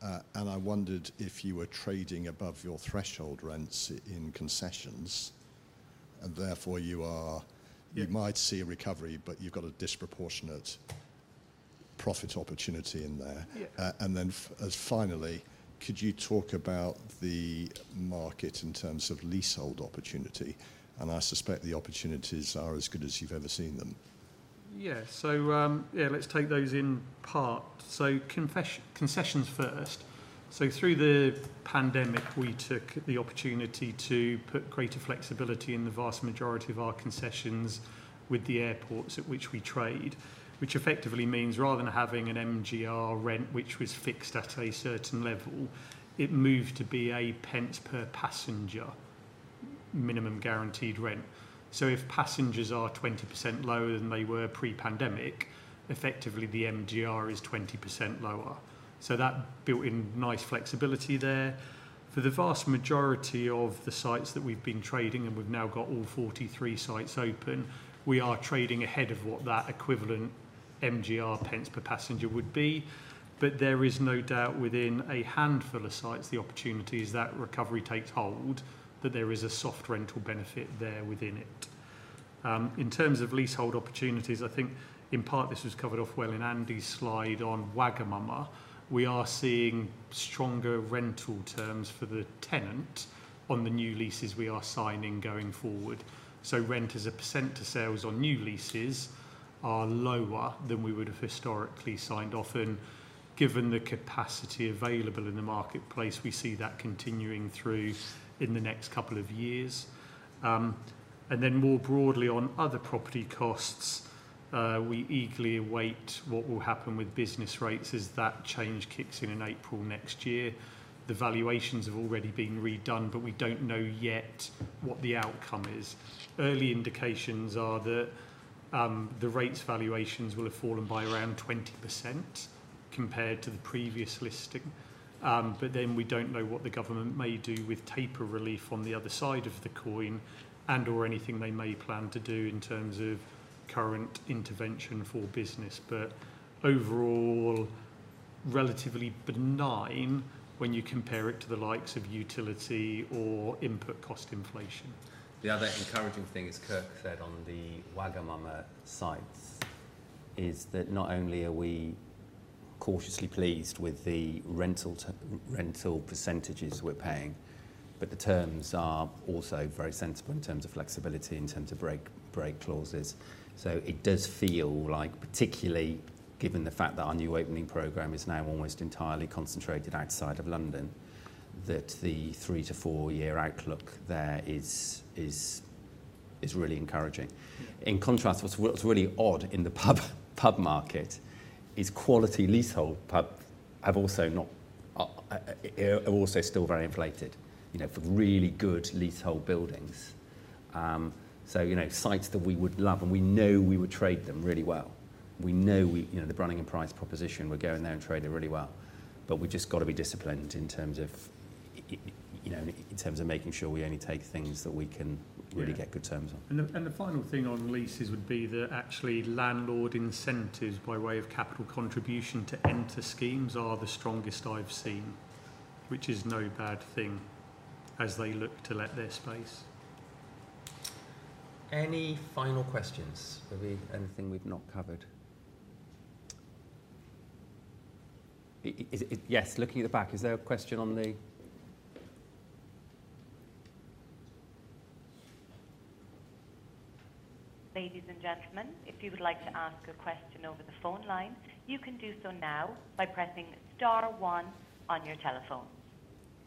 I wondered if you were trading above your threshold rents in concessions and therefore you are. Yeah. You might see a recovery, but you've got a disproportionate profit opportunity in there. Yeah. Finally, could you talk about the market in terms of leasehold opportunity? I suspect the opportunities are as good as you've ever seen them. Yeah, let's take those in turn. Concessions first. Through the pandemic, we took the opportunity to put greater flexibility in the vast majority of our concessions with the airports at which we trade, which effectively means rather than having an MGR rent, which was fixed at a certain level, it moved to be a pence per passenger minimum guaranteed rent. If passengers are 20% lower than they were pre-pandemic, effectively, the MGR is 20% lower. That built in nice flexibility there. For the vast majority of the sites that we've been trading, and we've now got all 43 sites open, we are trading ahead of what that equivalent MGR pence per passenger would be. There is no doubt within a handful of sites, as the recovery takes hold, that there is a soft rental benefit there within it. In terms of leasehold opportunities, I think in part this was covered off well in Andy's slide on Wagamama. We are seeing stronger rental terms for the tenant on the new leases we are signing going forward. Rent as a percent to sales on new leases are lower than we would have historically signed off in. Given the capacity available in the marketplace, we see that continuing through in the next couple of years. More broadly on other property costs, we eagerly await what will happen with business rates as that change kicks in in April next year. The valuations have already been redone, but we don't know yet what the outcome is. Early indications are that, the rates valuations will have fallen by around 20% compared to the previous listing. We don't know what the government may do with taper relief on the other side of the coin and/or anything they may plan to do in terms of current intervention for business. Overall, relatively benign when you compare it to the likes of utility or input cost inflation. The other encouraging thing, as Kirk said, on the Wagamama sites, is that not only are we cautiously pleased with the rental percentages we're paying, but the terms are also very sensible in terms of flexibility, in terms of break clauses. It does feel like, particularly given the fact that our new opening program is now almost entirely concentrated outside of London, that the three to four-year outlook there is really encouraging. In contrast, what's really odd in the pub market is quality leasehold pubs are also still very inflated, you know, for really good leasehold buildings. You know, sites that we would love and we know we would trade them really well. We know, you know, the Brunning & Price proposition, we're going there and trade it really well. We've just got to be disciplined in terms of you know, in terms of making sure we only take things that we can... Yeah. Really get good terms on. The final thing on leases would be that actually landlord incentives by way of capital contribution to enter schemes are the strongest I've seen, which is no bad thing as they look to let their space. Any final questions? Is there anything we've not covered? Is it? Yes. Looking at the back, is there a question? Ladies and gentlemen, if you would like to ask a question over the phone line, you can do so now by pressing star one on your telephones.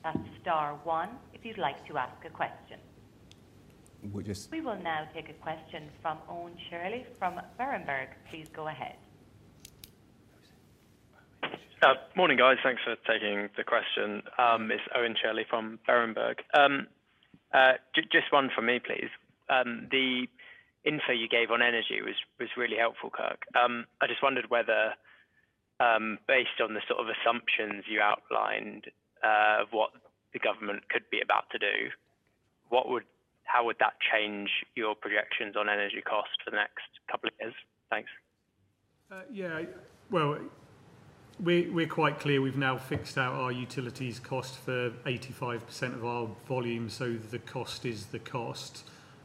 That's star one if you'd like to ask a question. We just- We will now take a question from Owen Shirley from Berenberg. Please go ahead. Morning, guys. Thanks for taking the question. It's Owen Shirley from Berenberg. Just one from me, please. The info you gave on energy was really helpful, Kirk. I just wondered whether, based on the sort of assumptions you outlined, of what the government could be about to do, how would that change your projections on energy costs for the next couple of years? Thanks. Yeah. Well, we're quite clear we've now fixed out our utilities cost for 85% of our volume, so the cost is the cost.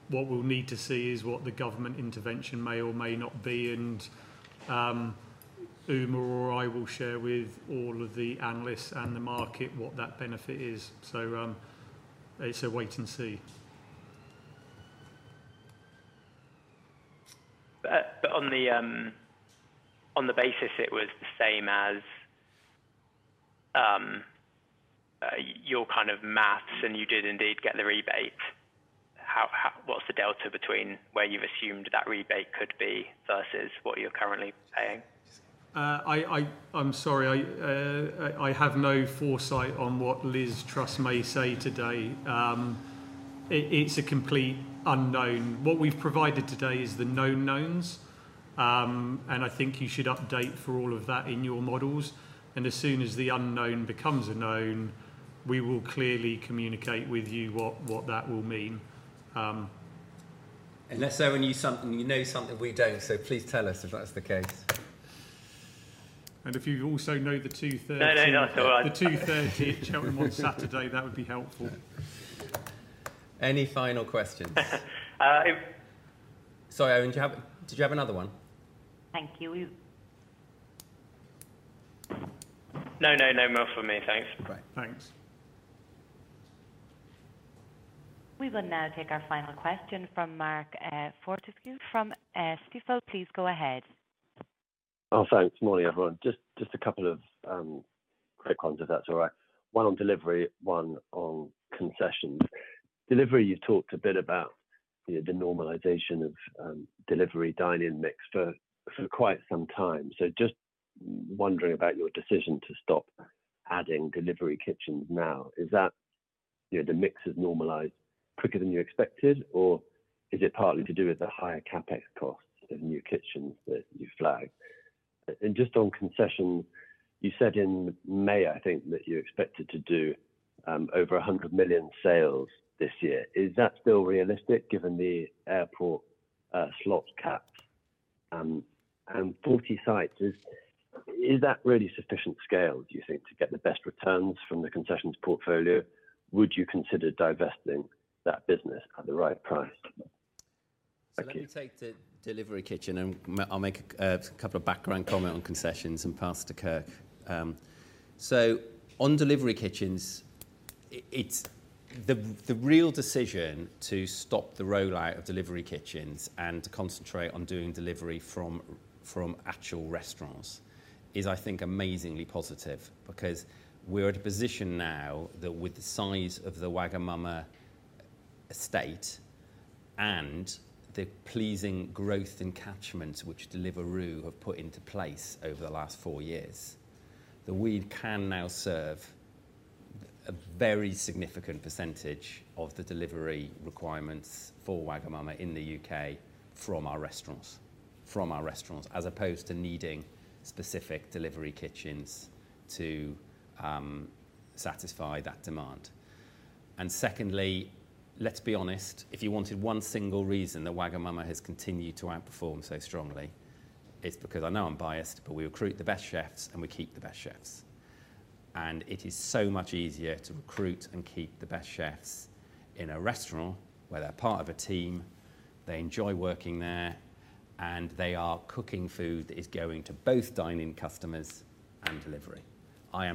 What we'll need to see is what the government intervention may or may not be, and Umar or I will share with all of the analysts and the market what that benefit is. It's a wait and see. On the basis it was the same as your kind of math and you did indeed get the rebate, how, what's the delta between where you've assumed that rebate could be versus what you're currently paying? I'm sorry. I have no foresight on what Liz Truss may say today. It's a complete unknown. What we've provided today is the known knowns. I think you should update for all of that in your models. As soon as the unknown becomes a known, we will clearly communicate with you what that will mean. Unless Owen, you know something we don't, so please tell us if that's the case. If you also know the 2:30. No, no. It's all right. The 2:30 at Cheltenham on Saturday, that would be helpful. Any final questions? Uh, I- Sorry, Owen. Did you have another one? Thank you. No, no more from me, thanks. Great. Thanks. We will now take our final question from Mark Irvine-Fortescue from Stifel. Please go ahead. Oh, thanks. Morning, everyone. Just a couple of quick ones if that's all right. One on delivery, one on concessions. Delivery, you talked a bit about, you know, the normalization of delivery dine-in mix for quite some time. So just wondering about your decision to stop adding delivery kitchens now. Is that, you know, the mix has normalized quicker than you expected, or is it partly to do with the higher CapEx costs of new kitchens that you flagged? Just on concessions, you said in May, I think, that you expected to do over 100 million sales this year. Is that still realistic given the airport slots capped and 40 sites? Is that really sufficient scale do you think to get the best returns from the concessions portfolio? Would you consider divesting that business at the right price? Thank you. Let me take the delivery kitchen and I'll make a couple of background comments on concessions and pass to Kirk. On delivery kitchens, it's the real decision to stop the rollout of delivery kitchens and to concentrate on doing delivery from actual restaurants. I think it's amazingly positive because we're at a position now that with the size of the Wagamama estate and the pleasing growth in catchments which Deliveroo have put into place over the last four years, that we can now serve a very significant percentage of the delivery requirements for Wagamama in the U.K. from our restaurants as opposed to needing specific delivery kitchens to satisfy that demand. Secondly, let's be honest, if you wanted one single reason that Wagamama has continued to outperform so strongly, it's because I know I'm biased, but we recruit the best chefs and we keep the best chefs. It is so much easier to recruit and keep the best chefs in a restaurant where they're part of a team, they enjoy working there, and they are cooking food that is going to both dine-in customers and delivery. I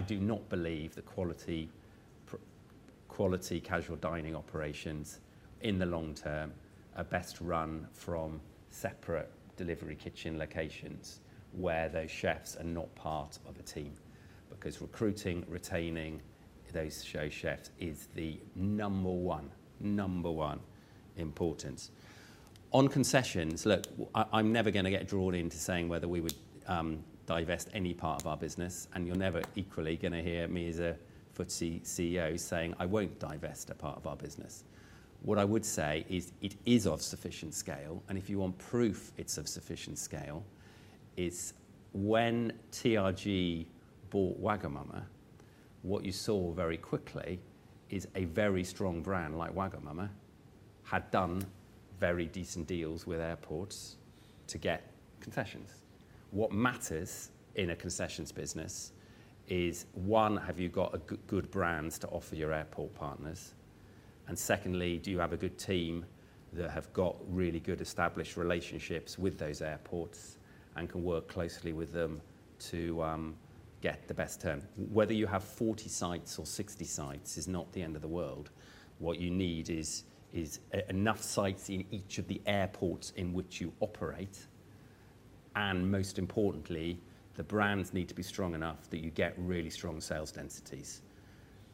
do not believe the quality casual dining operations in the long term are best run from separate delivery kitchen locations where those chefs are not part of a team, because recruiting, retaining those show chefs is the number one importance. On concessions, look, I'm never gonna get drawn into saying whether we would divest any part of our business, and you're never equally gonna hear me as a FTSE CEO saying I won't divest a part of our business. What I would say is it is of sufficient scale, and if you want proof it's of sufficient scale, when TRG bought Wagamama, what you saw very quickly is a very strong brand like Wagamama had done very decent deals with airports to get concessions. What matters in a concessions business is, one, have you got good brands to offer your airport partners? And secondly, do you have a good team that have got really good established relationships with those airports and can work closely with them to get the best term? Whether you have 40 sites or 60 sites is not the end of the world. What you need is enough sites in each of the airports in which you operate, and most importantly, the brands need to be strong enough that you get really strong sales densities.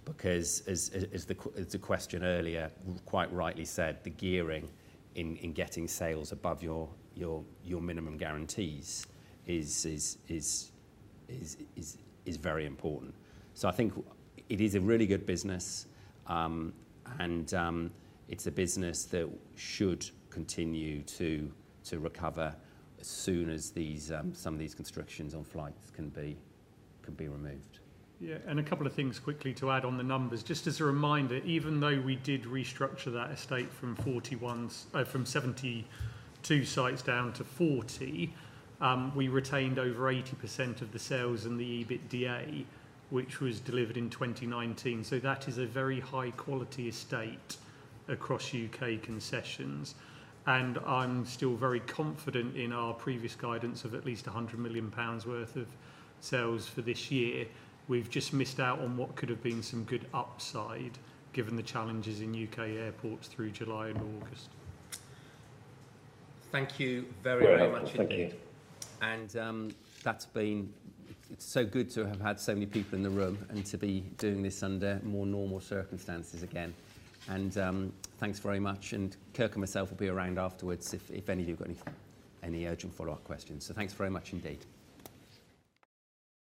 Because as the question earlier quite rightly said, the gearing in getting sales above your minimum guarantees is very important. I think it is a really good business, and it's a business that should continue to recover as soon as some of these constructions on flights can be removed. Yeah. A couple of things quickly to add on the numbers. Just as a reminder, even though we did restructure that estate from 72 sites down to 40 sites, we retained over 80% of the sales and the EBITDA, which was delivered in 2019. That is a very high quality estate across U.K. concessions. I'm still very confident in our previous guidance of at least 100 million pounds worth of sales for this year. We've just missed out on what could have been some good upside given the challenges in UK airports through July and August. Thank you very, very much indeed. Thank you. That's been. It's so good to have had so many people in the room and to be doing this under more normal circumstances again. Thanks very much. Kirk and myself will be around afterwards if any of you got any urgent follow-up questions. Thanks very much indeed.